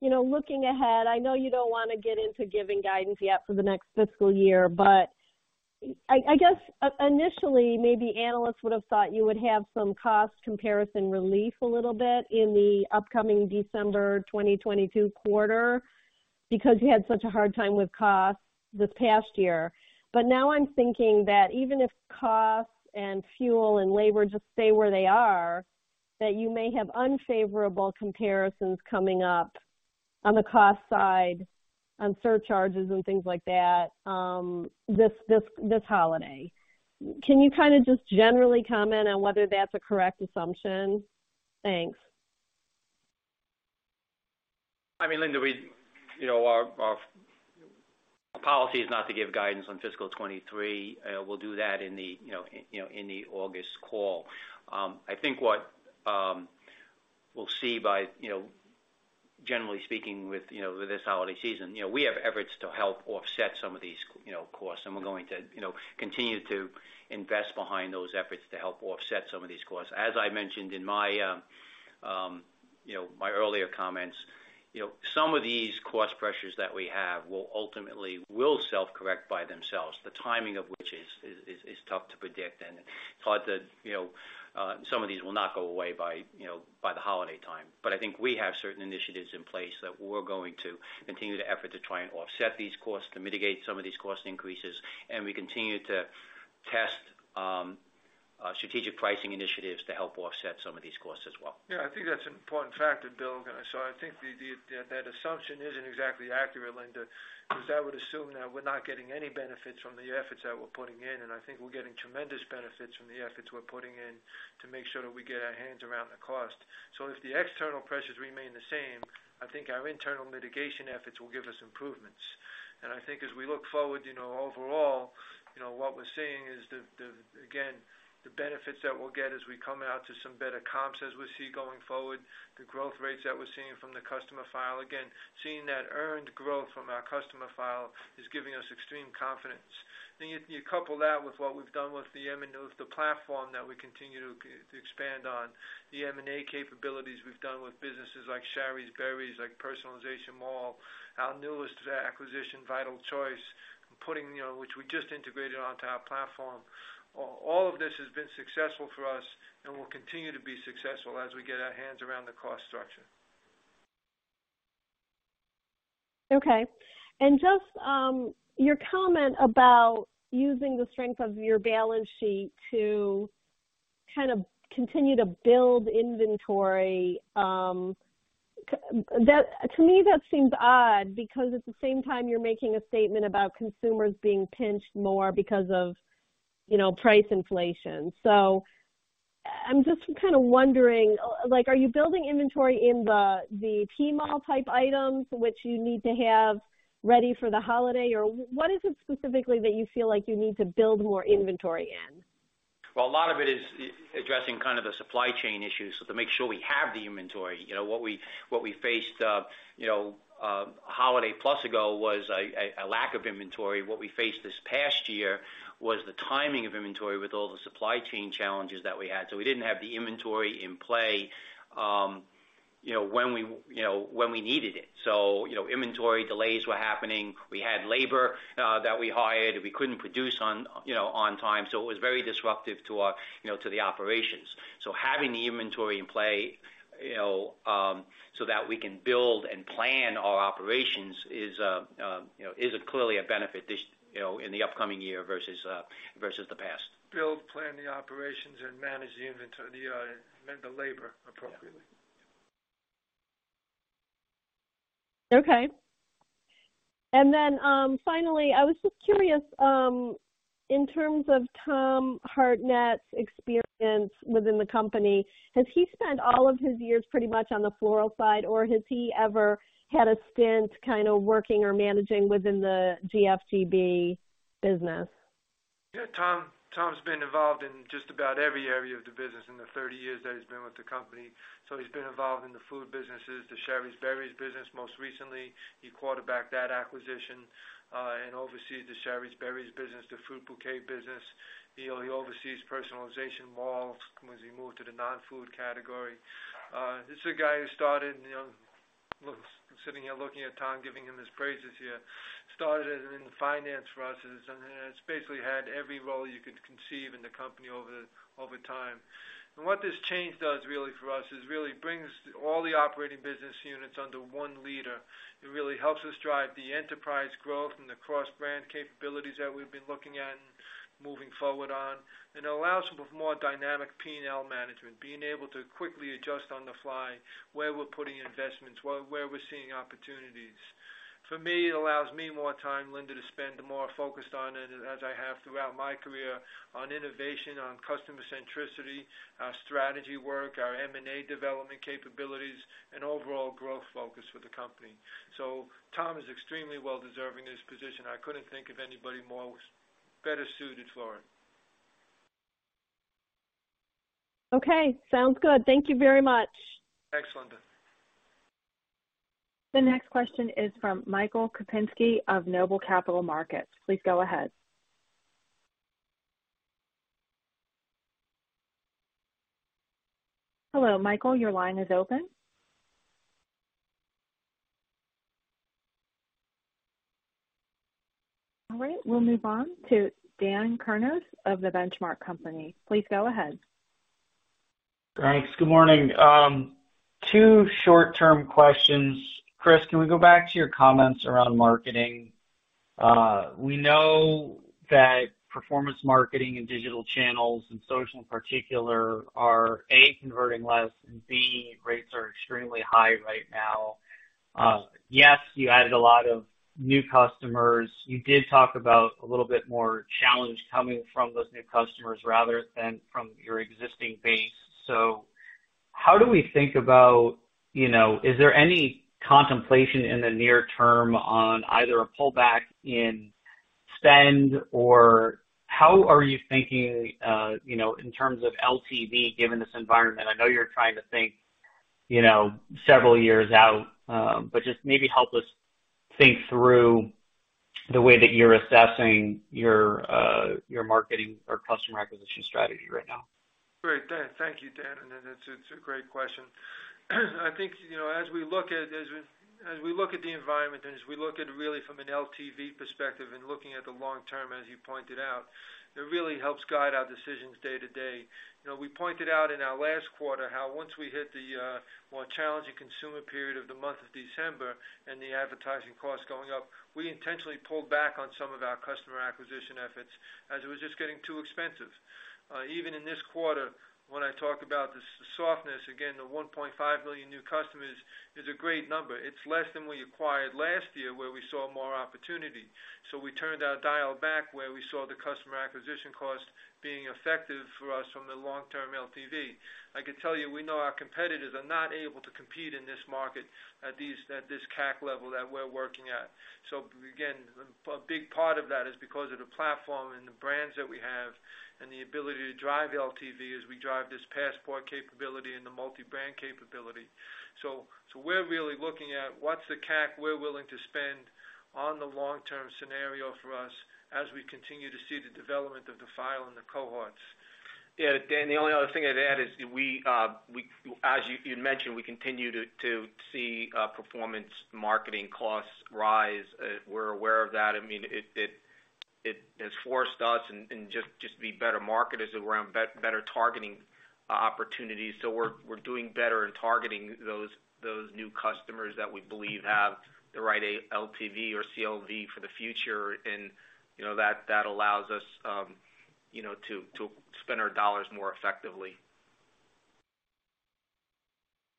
you know, looking ahead, I know you don't wanna get into giving guidance yet for the next fiscal year, but I guess initially maybe analysts would have thought you would have some cost comparison relief a little bit in the upcoming December 2022 quarter because you had such a hard time with costs this past year. Now I'm thinking that even if costs and fuel and labor just stay where they are, that you may have unfavorable comparisons coming up on the cost side, on surcharges and things like that, this holiday. Can you kinda just generally comment on whether that's a correct assumption? Thanks. I mean, Linda, you know, our policy is not to give guidance on fiscal 2023. We'll do that in the August call. I think we'll see by, you know, generally speaking with this holiday season, you know, we have efforts to help offset some of these costs, and we're going to, you know, continue to invest behind those efforts to help offset some of these costs. As I mentioned in my earlier comments, you know, some of these cost pressures that we have will ultimately self-correct by themselves, the timing of which is tough to predict and hard to, you know, some of these will not go away by the holiday time. I think we have certain initiatives in place that we're going to continue the effort to try and offset these costs, to mitigate some of these cost increases, and we continue to test strategic pricing initiatives to help offset some of these costs as well. Yeah, I think that's an important factor, Bill. I think that assumption isn't exactly accurate, Linda, because that would assume that we're not getting any benefits from the efforts that we're putting in, and I think we're getting tremendous benefits from the efforts we're putting in to make sure that we get our hands around the cost. If the external pressures remain the same, I think our internal mitigation efforts will give us improvements. I think as we look forward, you know, overall, you know, what we're seeing is again the benefits that we'll get as we come out to some better comps as we see going forward, the growth rates that we're seeing from the customer file. Again, seeing that earned growth from our customer file is giving us extreme confidence. You couple that with what we've done with the M&O, the platform that we continue to expand on, the M&A capabilities we've done with businesses like Shari's Berries, like PersonalizationMall.com, our newest acquisition, Vital Choice, putting, you know, which we just integrated onto our platform. All of this has been successful for us and will continue to be successful as we get our hands around the cost structure. Okay. Just your comment about using the strength of your balance sheet to kind of continue to build inventory, that to me, that seems odd because at the same time you're making a statement about consumers being pinched more because of, you know, price inflation. I'm just kind of wondering, like are you building inventory in the PersonalizationMall.com type items which you need to have ready for the holiday? What is it specifically that you feel like you need to build more inventory in? Well, a lot of it is addressing kind of the supply chain issues. To make sure we have the inventory, you know, what we faced holiday two years ago was a lack of inventory. What we faced this past year was the timing of inventory with all the supply chain challenges that we had. We didn't have the inventory in play, you know, when we needed it. Inventory delays were happening. We had labor that we hired, and we couldn't produce on, you know, on time. It was very disruptive to our operations. Having the inventory in play, you know, so that we can build and plan our operations is clearly a benefit this, you know, in the upcoming year versus the past. Build, plan the operations, and manage the inventory, and the labor appropriately. Yeah. Okay. Finally, I was just curious, in terms of Tom Hartnett's experience within the company, has he spent all of his years pretty much on the floral side, or has he ever had a stint kind of working or managing within the GFCB business? Yeah. Tom's been involved in just about every area of the business in the 30 years that he's been with the company. He's been involved in the food businesses, the Shari's Berries business. Most recently, he quarterbacked that acquisition, and oversees the Shari's Berries business, the FruitBouquets.com business. You know, he oversees PersonalizationMall.com as he moved to the non-food category. This is a guy who started, you know, look, sitting here looking at Tom, giving him his praises here, started in finance for us, and has basically had every role you could conceive in the company over time. What this change does really for us is really brings all the operating business units under one leader. It really helps us drive the enterprise growth and the cross-brand capabilities that we've been looking at and moving forward on. It allows for more dynamic P&L management, being able to quickly adjust on the fly where we're putting investments, where we're seeing opportunities. For me, it allows me more time, Linda, to spend more focused on, as I have throughout my career, on innovation, on customer centricity, our strategy work, our M&A development capabilities, and overall growth focus for the company. Tom is extremely well deserving of this position. I couldn't think of anybody more better suited for it. Okay. Sounds good. Thank you very much. Thanks, Linda. The next question is from Michael Kupinski of Noble Capital Markets. Please go ahead. Hello, Michael, your line is open. All right. We'll move on to Dan Kurnos of The Benchmark Company. Please go ahead. Thanks. Good morning. Two short-term questions. Chris, can we go back to your comments around marketing? We know that performance marketing and digital channels, and social in particular, are, A, converting less, and B, rates are extremely high right now. Yes, you added a lot of new customers. You did talk about a little bit more challenge coming from those new customers rather than from your existing base. How do we think about, you know, is there any contemplation in the near term on either a pullback in spend or how are you thinking, you know, in terms of LTV given this environment? I know you're trying to think, you know, several years out, but just maybe help us think through the way that you're assessing your marketing or customer acquisition strategy right now. Great, Dan. Thank you, Dan, and that's a great question. I think, you know, as we look at the environment and as we look at really from an LTV perspective and looking at the long term, as you pointed out, it really helps guide our decisions day to day. You know, we pointed out in our last quarter how once we hit the more challenging consumer period of the month of December and the advertising costs going up, we intentionally pulled back on some of our customer acquisition efforts as it was just getting too expensive. Even in this quarter, when I talk about the softness, again, the 1.5 million new customers is a great number. It's less than we acquired last year, where we saw more opportunity. We turned our dial back where we saw the customer acquisition cost being effective for us from the long-term LTV. I can tell you, we know our competitors are not able to compete in this market at this CAC level that we're working at. Again, a big part of that is because of the platform and the brands that we have and the ability to drive LTV as we drive this passport capability and the multi-brand capability. We're really looking at what's the CAC we're willing to spend on the long-term scenario for us as we continue to see the development of the file and the cohorts. Yeah. Dan, the only other thing I'd add is we as you mentioned, we continue to see performance marketing costs rise. We're aware of that. I mean, it has forced us and just be better marketers around better targeting opportunities. We're doing better in targeting those new customers that we believe have the right AOV, LTV or CLV for the future. You know, that allows us, you know, to spend our dollars more effectively.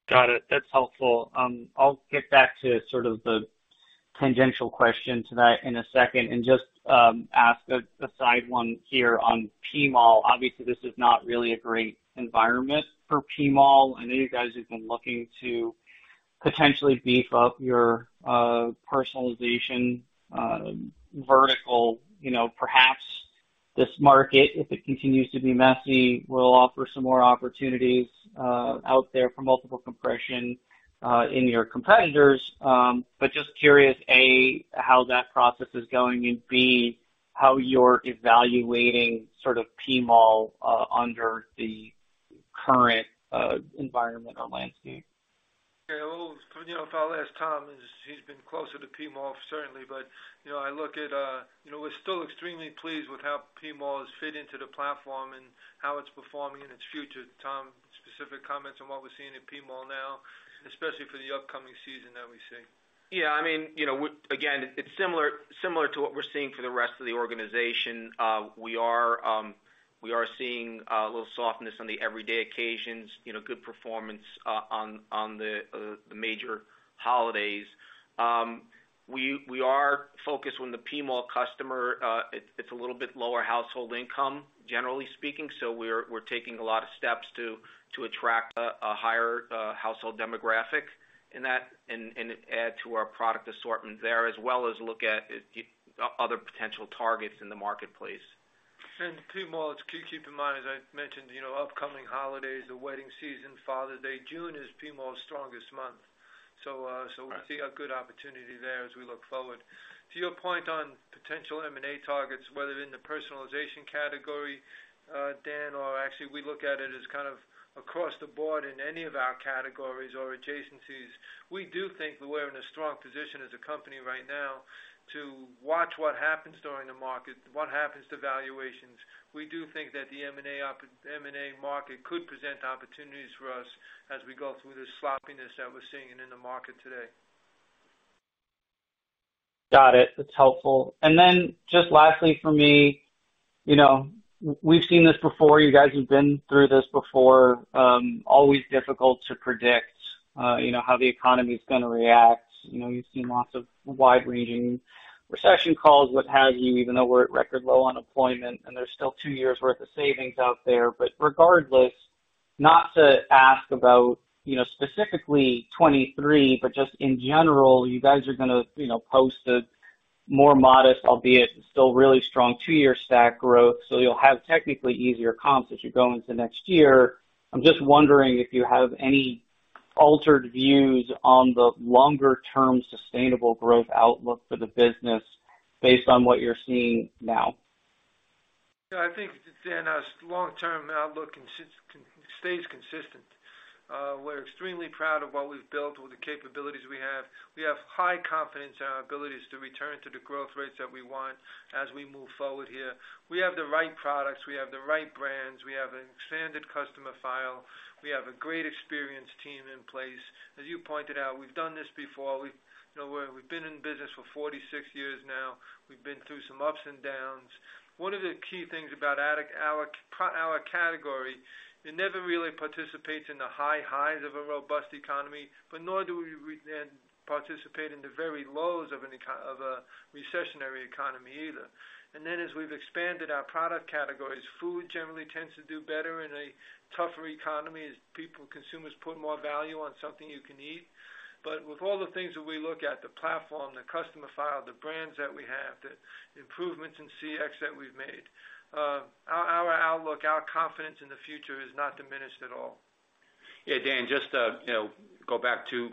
Got it. That's helpful. I'll get back to sort of the tangential question to that in a second and just ask a side one here on PMall. Obviously, this is not really a great environment for PMall. I know you guys have been looking to potentially beef up your personalization vertical. You know, perhaps this market, if it continues to be messy, will offer some more opportunities out there for multiple compression in your competitors. Just curious, A, how that process is going, and B, how you're evaluating sort of PMall under the current environment or landscape. Yeah. Well, you know, if I'll ask Tom, as he's been closer to PMall certainly, but, you know, I look at, you know, we're still extremely pleased with how PMall has fit into the platform and how it's performing in its future. Tom, specific comments on what we're seeing at PMall now, especially for the upcoming season that we see. Yeah, I mean, you know, again, it's similar to what we're seeing for the rest of the organization. We are seeing a little softness on the everyday occasions, you know, good performance on the major holidays. We are focused on the PMall customer. It's a little bit lower household income, generally speaking, so we're taking a lot of steps to attract a higher household demographic in that and add to our product assortment there, as well as look at other potential targets in the marketplace. PMall, keep in mind, as I mentioned, you know, upcoming holidays, the wedding season, Father's Day. June is PMall's strongest month. We see a good opportunity there as we look forward. To your point on potential M&A targets, whether in the personalization category, Dan, or actually we look at it as kind of across the board in any of our categories or adjacencies. We do think that we're in a strong position as a company right now to watch what happens during the market, what happens to valuations. We do think that the M&A market could present opportunities for us as we go through this sloppiness that we're seeing in the market today. Got it. That's helpful. Just lastly for me, you know, we've seen this before. You guys have been through this before. Always difficult to predict, you know, how the economy is gonna react. You know, you've seen lots of wide-ranging recession calls, what have you, even though we're at record low unemployment, and there's still two years' worth of savings out there. Regardless, not to ask about, you know, specifically 2023, but just in general, you guys are gonna, you know, post a more modest, albeit still really strong, two-year stack growth. You'll have technically easier comps as you go into next year. I'm just wondering if you have any altered views on the longer term sustainable growth outlook for the business based on what you're seeing now. Yeah. I think, Dan, our long-term outlook stays consistent. We're extremely proud of what we've built with the capabilities we have. We have high confidence in our abilities to return to the growth rates that we want as we move forward here. We have the right products, we have the right brands, we have an expanded customer file, we have a great experienced team in place. As you pointed out, we've done this before. You know, we've been in business for 46 years now. We've been through some ups and downs. One of the key things about our category, it never really participates in the high highs of a robust economy, but nor do we then participate in the very lows of a recessionary economy either. as we've expanded our product categories, food generally tends to do better in a tougher economy as people, consumers put more value on something you can eat. With all the things that we look at, the platform, the customer file, the brands that we have, the improvements in CX that we've made, our outlook, our confidence in the future is not diminished at all. Yeah, Dan, just to, you know, go back to,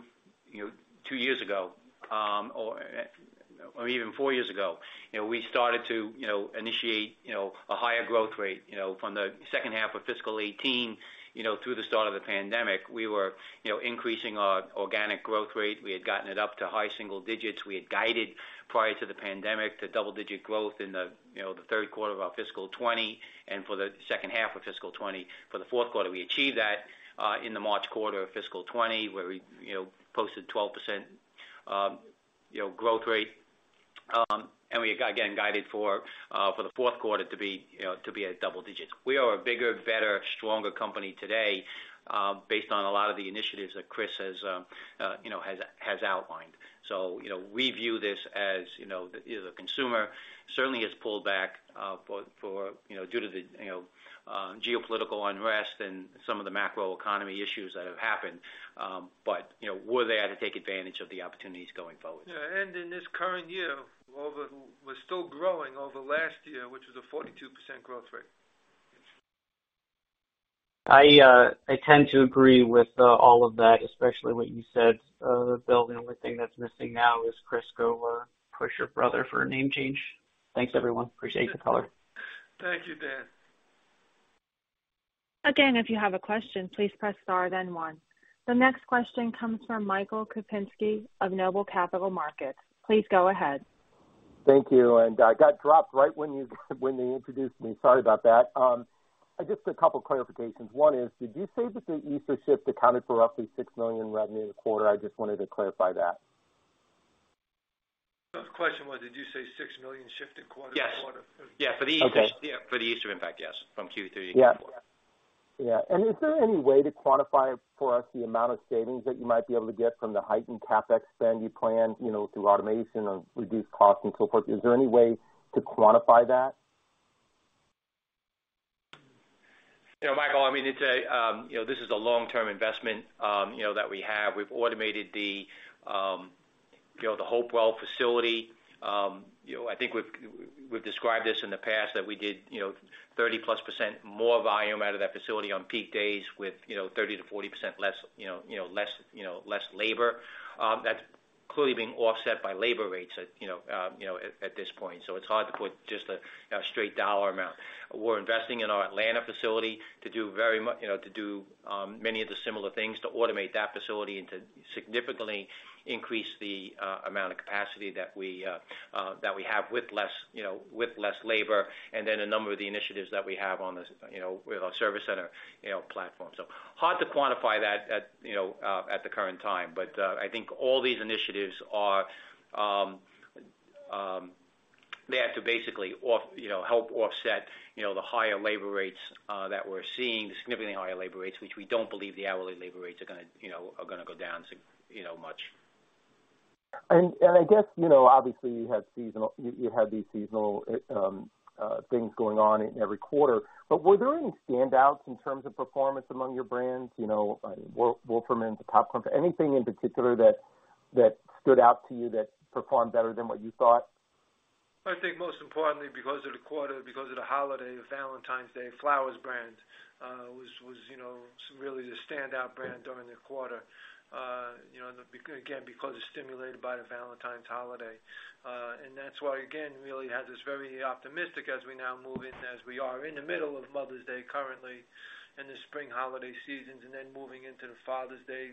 you know, two years ago, or even four years ago, you know, we started to, you know, initiate, you know, a higher growth rate, you know, from the second half of fiscal 2018, you know, through the start of the pandemic. We were, you know, increasing our organic growth rate. We had gotten it up to high single digits. We had guided prior to the pandemic to double-digit growth in the, you know, the third quarter of our fiscal 2020 and for the second half of fiscal 2020. For the fourth quarter, we achieved that in the March quarter of fiscal 2020, where we, you know, posted 12% growth rate. We again guided for the fourth quarter to be, you know, at double digits. We are a bigger, better, stronger company today, based on a lot of the initiatives that Chris has you know outlined. You know, we view this as you know the consumer certainly has pulled back for you know due to the you know geopolitical unrest and some of the macro economy issues that have happened. You know, we're there to take advantage of the opportunities going forward. Yeah. In this current year, we're still growing over last year, which was a 42% growth rate. I tend to agree with all of that, especially what you said, Bill. The only thing that's missing now is Chris McCann. Push your brother for a name change. Thanks, everyone. Appreciate the color. Thank you, Dan. Again, if you have a question, please press star then one. The next question comes from Michael Kupinski of Noble Capital Markets. Please go ahead. Thank you. I got dropped right when you introduced me. Sorry about that. Just a couple clarifications. One is, did you say that the Easter shift accounted for roughly $6 million revenue in the quarter? I just wanted to clarify that. The question was, did you say $6 million shift in quarter-over-quarter? Yes. Yeah, for the Easter. Okay. Yeah, for the Easter impact, yes, from Q3 to Q4. Yeah. Is there any way to quantify for us the amount of savings that you might be able to get from the heightened CapEx spend you plan, you know, through automation or reduced costs and so forth? Is there any way to quantify that? You know, Michael, I mean, this is a long-term investment, you know, that we have. We've automated the Hopewell facility. You know, I think we've described this in the past that we did 30%+ more volume out of that facility on peak days with 30%-40% less labor. That's clearly being offset by labor rates at this point. It's hard to put just a straight dollar amount. We're investing in our Atlanta facility to do you know, to do many of the similar things to automate that facility and to significantly increase the amount of capacity that we have with less you know, with less labor, and then a number of the initiatives that we have on this you know, with our service center you know, platform. Hard to quantify that at you know at the current time. I think all these initiatives are there to basically you know, help offset you know, the higher labor rates that we're seeing, significantly higher labor rates, which we don't believe the hourly labor rates are gonna you know, are gonna go down much. I guess, you know, obviously, you have these seasonal things going on in every quarter. Were there any standouts in terms of performance among your brands? You know, Wolferman's Bakery to The Popcorn Factory, anything in particular that stood out to you that performed better than what you thought? I think most importantly, because of the quarter, because of the holiday, the Valentine's Day Flowers brand was, you know, so really the standout brand during the quarter. You know, again, because it's stimulated by the Valentine's holiday. That's why, again, really has us very optimistic as we now move in, as we are in the middle of Mother's Day currently in the spring holiday seasons and then moving into the Father's Day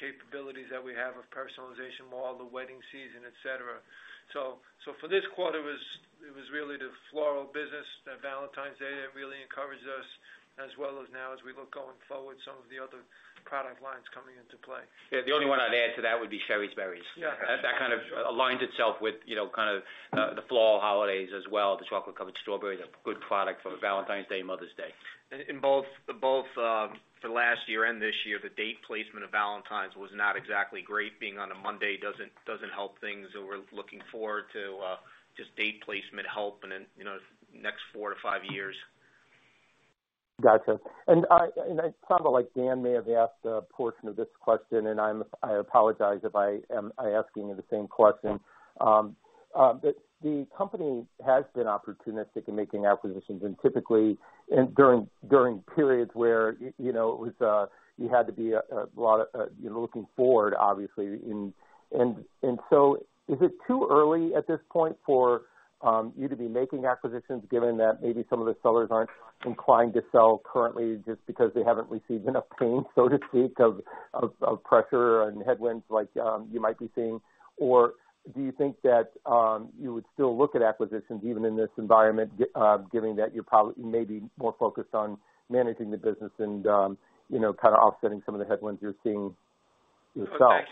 capabilities that we have of Personalization Mall, the wedding season, et cetera. For this quarter, it was really the floral business, the Valentine's Day that really encouraged us as well as now as we look going forward, some of the other product lines coming into play. Yeah. The only one I'd add to that would be Shari's Berries. Yeah. That kind of aligns itself with, you know, kind of, the floral holidays as well. The chocolate-covered strawberries are good product for the Valentine's Day and Mother's Day. In both for last year and this year, the date placement of Valentine's was not exactly great. Being on a Monday doesn't help things, so we're looking forward to just date placement help in, you know, next four to five years. Gotcha. It's probably like Dan may have asked a portion of this question, and I apologize if I'm asking you the same question. But the company has been opportunistic in making acquisitions and typically during periods where you know it was you had to be a lot you know looking forward obviously in. Is it too early at this point for you to be making acquisitions given that maybe some of the sellers aren't inclined to sell currently just because they haven't received enough pain so to speak of pressure and headwinds like you might be seeing? Do you think that you would still look at acquisitions even in this environment given that you're probably maybe more focused on managing the business and you know kind of offsetting some of the headwinds you're seeing yourself?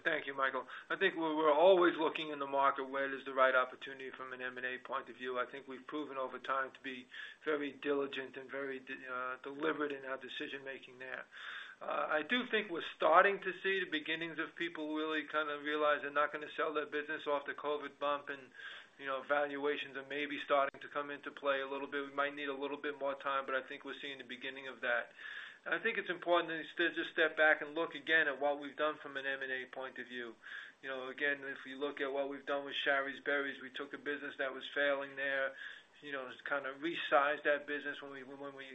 Thank you, Michael. I think we're always looking in the market where there's the right opportunity from an M&A point of view. I think we've proven over time to be very diligent and very deliberate in our decision-making there. I do think we're starting to see the beginnings of people really kind of realize they're not gonna sell their business off the COVID bump and, you know, valuations are maybe starting to come into play a little bit. We might need a little bit more time, but I think we're seeing the beginning of that. I think it's important to just step back and look again at what we've done from an M&A point of view. You know, again, if you look at what we've done with Shari's Berries, we took a business that was failing there, you know, kind of resized that business when we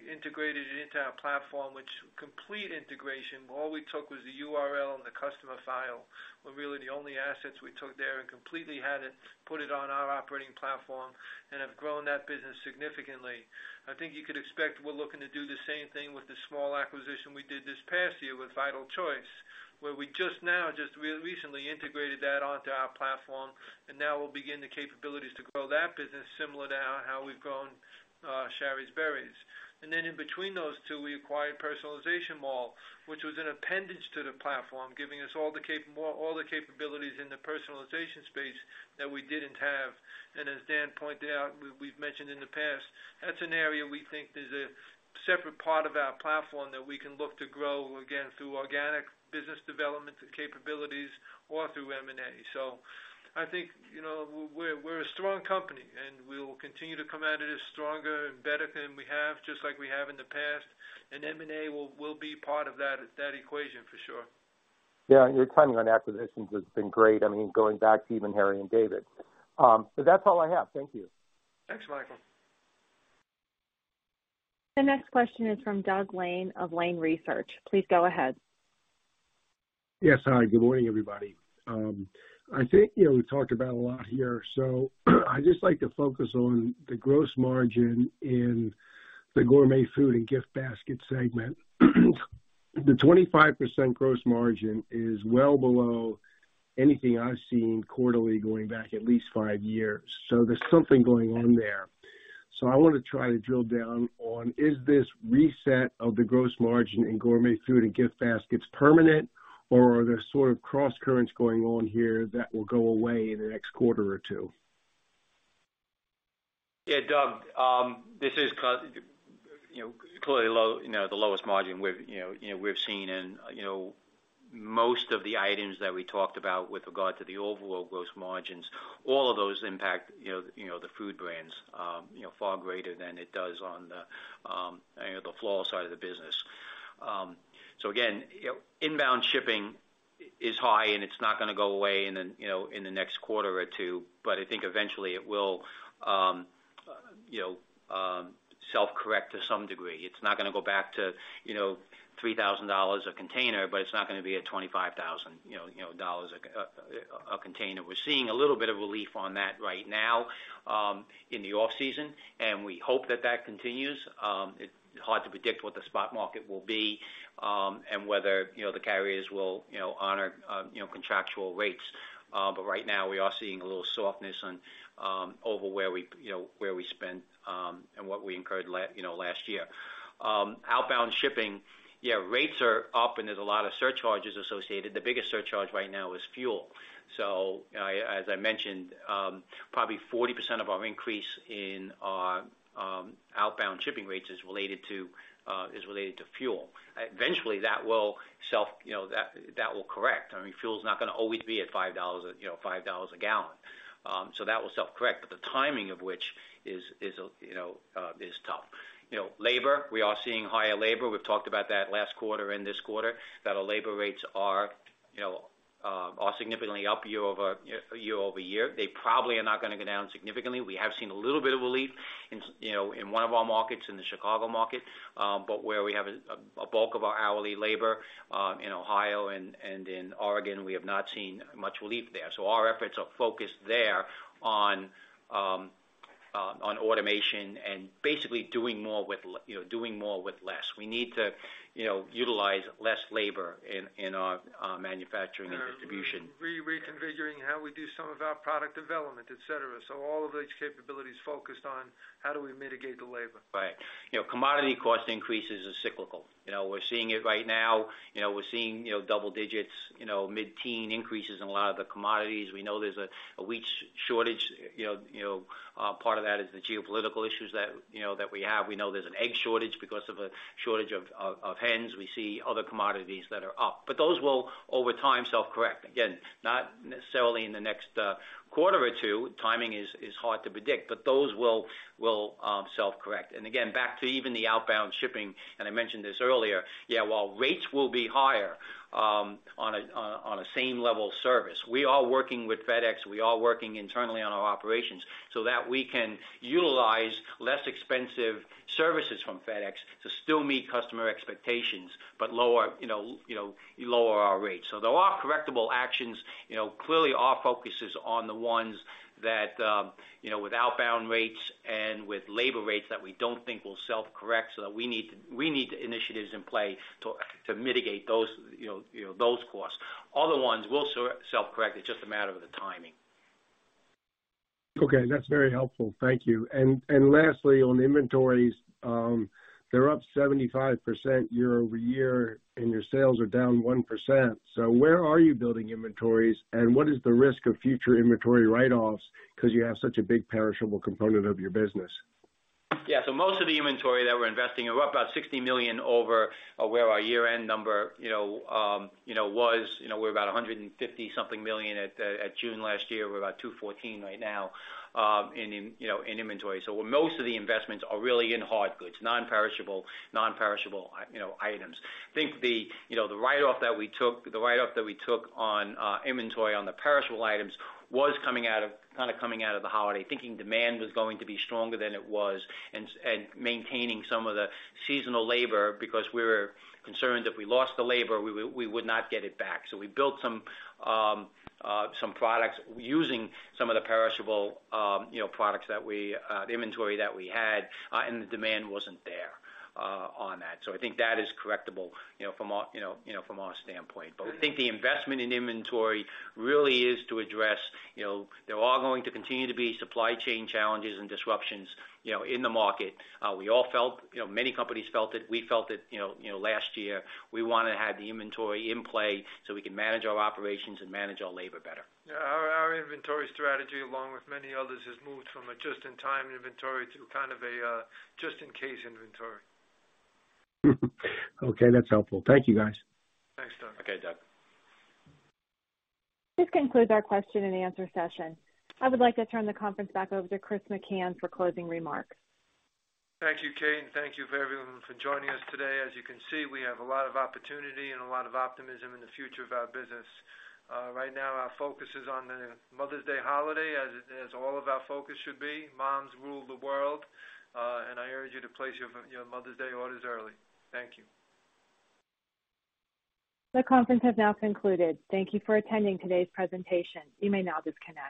integrated it into our platform, which complete integration, all we took was the URL and the customer file. We're really the only assets we took there and completely had it, put it on our operating platform and have grown that business significantly. I think you could expect we're looking to do the same thing with the small acquisition we did this past year with Vital Choice, where we just recently integrated that onto our platform, and now we'll begin the capabilities to grow that business similar to how we've grown Shari's Berries. In between those two, we acquired PersonalizationMall.com, which was an appendage to the platform, giving us all the capabilities in the personalization space that we didn't have. As Dan pointed out, we've mentioned in the past, that's an area we think is a separate part of our platform that we can look to grow, again, through organic business development capabilities or through M&A. I think, you know, we're a strong company, and we will continue to come at it as stronger and better than we have, just like we have in the past. M&A will be part of that equation for sure. Yeah. Your timing on acquisitions has been great. I mean, going back to even Harry & David. That's all I have. Thank you. Thanks, Michael. The next question is from Doug Lane of Lane Research. Please go ahead. Yes. Hi, good morning, everybody. I think, you know, we talked about a lot here, so I'd just like to focus on the gross margin in the gourmet food and gift basket segment. The 25% gross margin is well below anything I've seen quarterly going back at least five years. There's something going on there. I wanna try to drill down on, is this reset of the gross margin in gourmet food and gift baskets permanent, or are there sort of crosscurrents going on here that will go away in the next quarter or two? Yeah, Doug, this is clearly low, you know, the lowest margin we've seen and, you know. Most of the items that we talked about with regard to the overall gross margins, all of those impact the food brands far greater than it does on the floral side of the business. So again, inbound shipping is high and it's not gonna go away in the next quarter or two, but I think eventually it will self-correct to some degree. It's not gonna go back to, you know, $3,000 a container, but it's not gonna be at $25,000 a container. We're seeing a little bit of relief on that right now in the off-season, and we hope that continues. It's hard to predict what the spot market will be, and whether, you know, the carriers will, you know, honor, you know, contractual rates. Right now we are seeing a little softness on over where we, you know, spent, and what we incurred last year. Outbound shipping, yeah, rates are up and there's a lot of surcharges associated. The biggest surcharge right now is fuel. I, as I mentioned, probably 40% of our increase in our outbound shipping rates is related to fuel. Eventually, that will self, you know, correct. I mean, fuel's not gonna always be at $5, you know, $5 a gallon. That will self-correct, but the timing of which is, you know, tough. You know, labor, we are seeing higher labor. We've talked about that last quarter and this quarter, that our labor rates are, you know, significantly up year-over-year. They probably are not gonna go down significantly. We have seen a little bit of relief in, you know, in one of our markets, in the Chicago market. Where we have a bulk of our hourly labor in Ohio and in Oregon, we have not seen much relief there. Our efforts are focused there on automation and basically doing more with less. We need to, you know, utilize less labor in our manufacturing and distribution. Reconfiguring how we do some of our product development, et cetera. All of these capabilities focused on how do we mitigate the labor. Right. You know, commodity cost increases are cyclical. You know, we're seeing it right now. You know, we're seeing double digits, mid-teen increases in a lot of the commodities. We know there's a wheat shortage. You know, part of that is the geopolitical issues that we have. We know there's an egg shortage because of a shortage of hens. We see other commodities that are up, but those will over time self-correct. Again, not necessarily in the next quarter or two. Timing is hard to predict, but those will self-correct. Again, back to even the outbound shipping, and I mentioned this earlier, yeah, while rates will be higher, on a same level of service, we are working with FedEx, we are working internally on our operations so that we can utilize less expensive services from FedEx to still meet customer expectations, but lower our rates. There are correctable actions. You know, clearly our focus is on the ones that, you know, with outbound rates and with labor rates that we don't think will self-correct, so that we need initiatives in play to mitigate those costs. Other ones will self-correct. It's just a matter of the timing. Okay, that's very helpful. Thank you. Lastly, on inventories, they're up 75% year-over-year, and your sales are down 1%. Where are you building inventories, and what is the risk of future inventory write-offs because you have such a big perishable component of your business? Yeah. Most of the inventory that we're investing, we're up about $60 million over where our year-end number, you know, was. You know, we're about $150 million at June last year. We're about $214 right now in inventory. Where most of the investments are really in hard goods, non-perishable items. I think the write-off that we took on inventory on the perishable items was coming out of the holiday, thinking demand was going to be stronger than it was and maintaining some of the seasonal labor because we were concerned if we lost the labor, we would not get it back. We built some products using some of the perishable inventory that we had, and the demand wasn't there on that. I think that is correctable, you know, from our standpoint. I think the investment in inventory really is to address, you know, there are going to continue to be supply chain challenges and disruptions, you know, in the market. We all felt, you know, many companies felt it. We felt it, you know, last year. We wanna have the inventory in play so we can manage our operations and manage our labor better. Yeah. Our inventory strategy, along with many others, has moved from a just-in-time inventory to kind of a just-in-case inventory. Okay. That's helpful. Thank you, guys. Thanks, Doug. Okay, Doug. This concludes our question and answer session. I would like to turn the conference back over to Chris McCann for closing remarks. Thank you, Kate, and thank you for everyone for joining us today. As you can see, we have a lot of opportunity and a lot of optimism in the future of our business. Right now, our focus is on the Mother's Day holiday, as all of our focus should be. Moms rule the world, and I urge you to place your, you know, Mother's Day orders early. Thank you. The conference has now concluded. Thank you for attending today's presentation. You may now disconnect.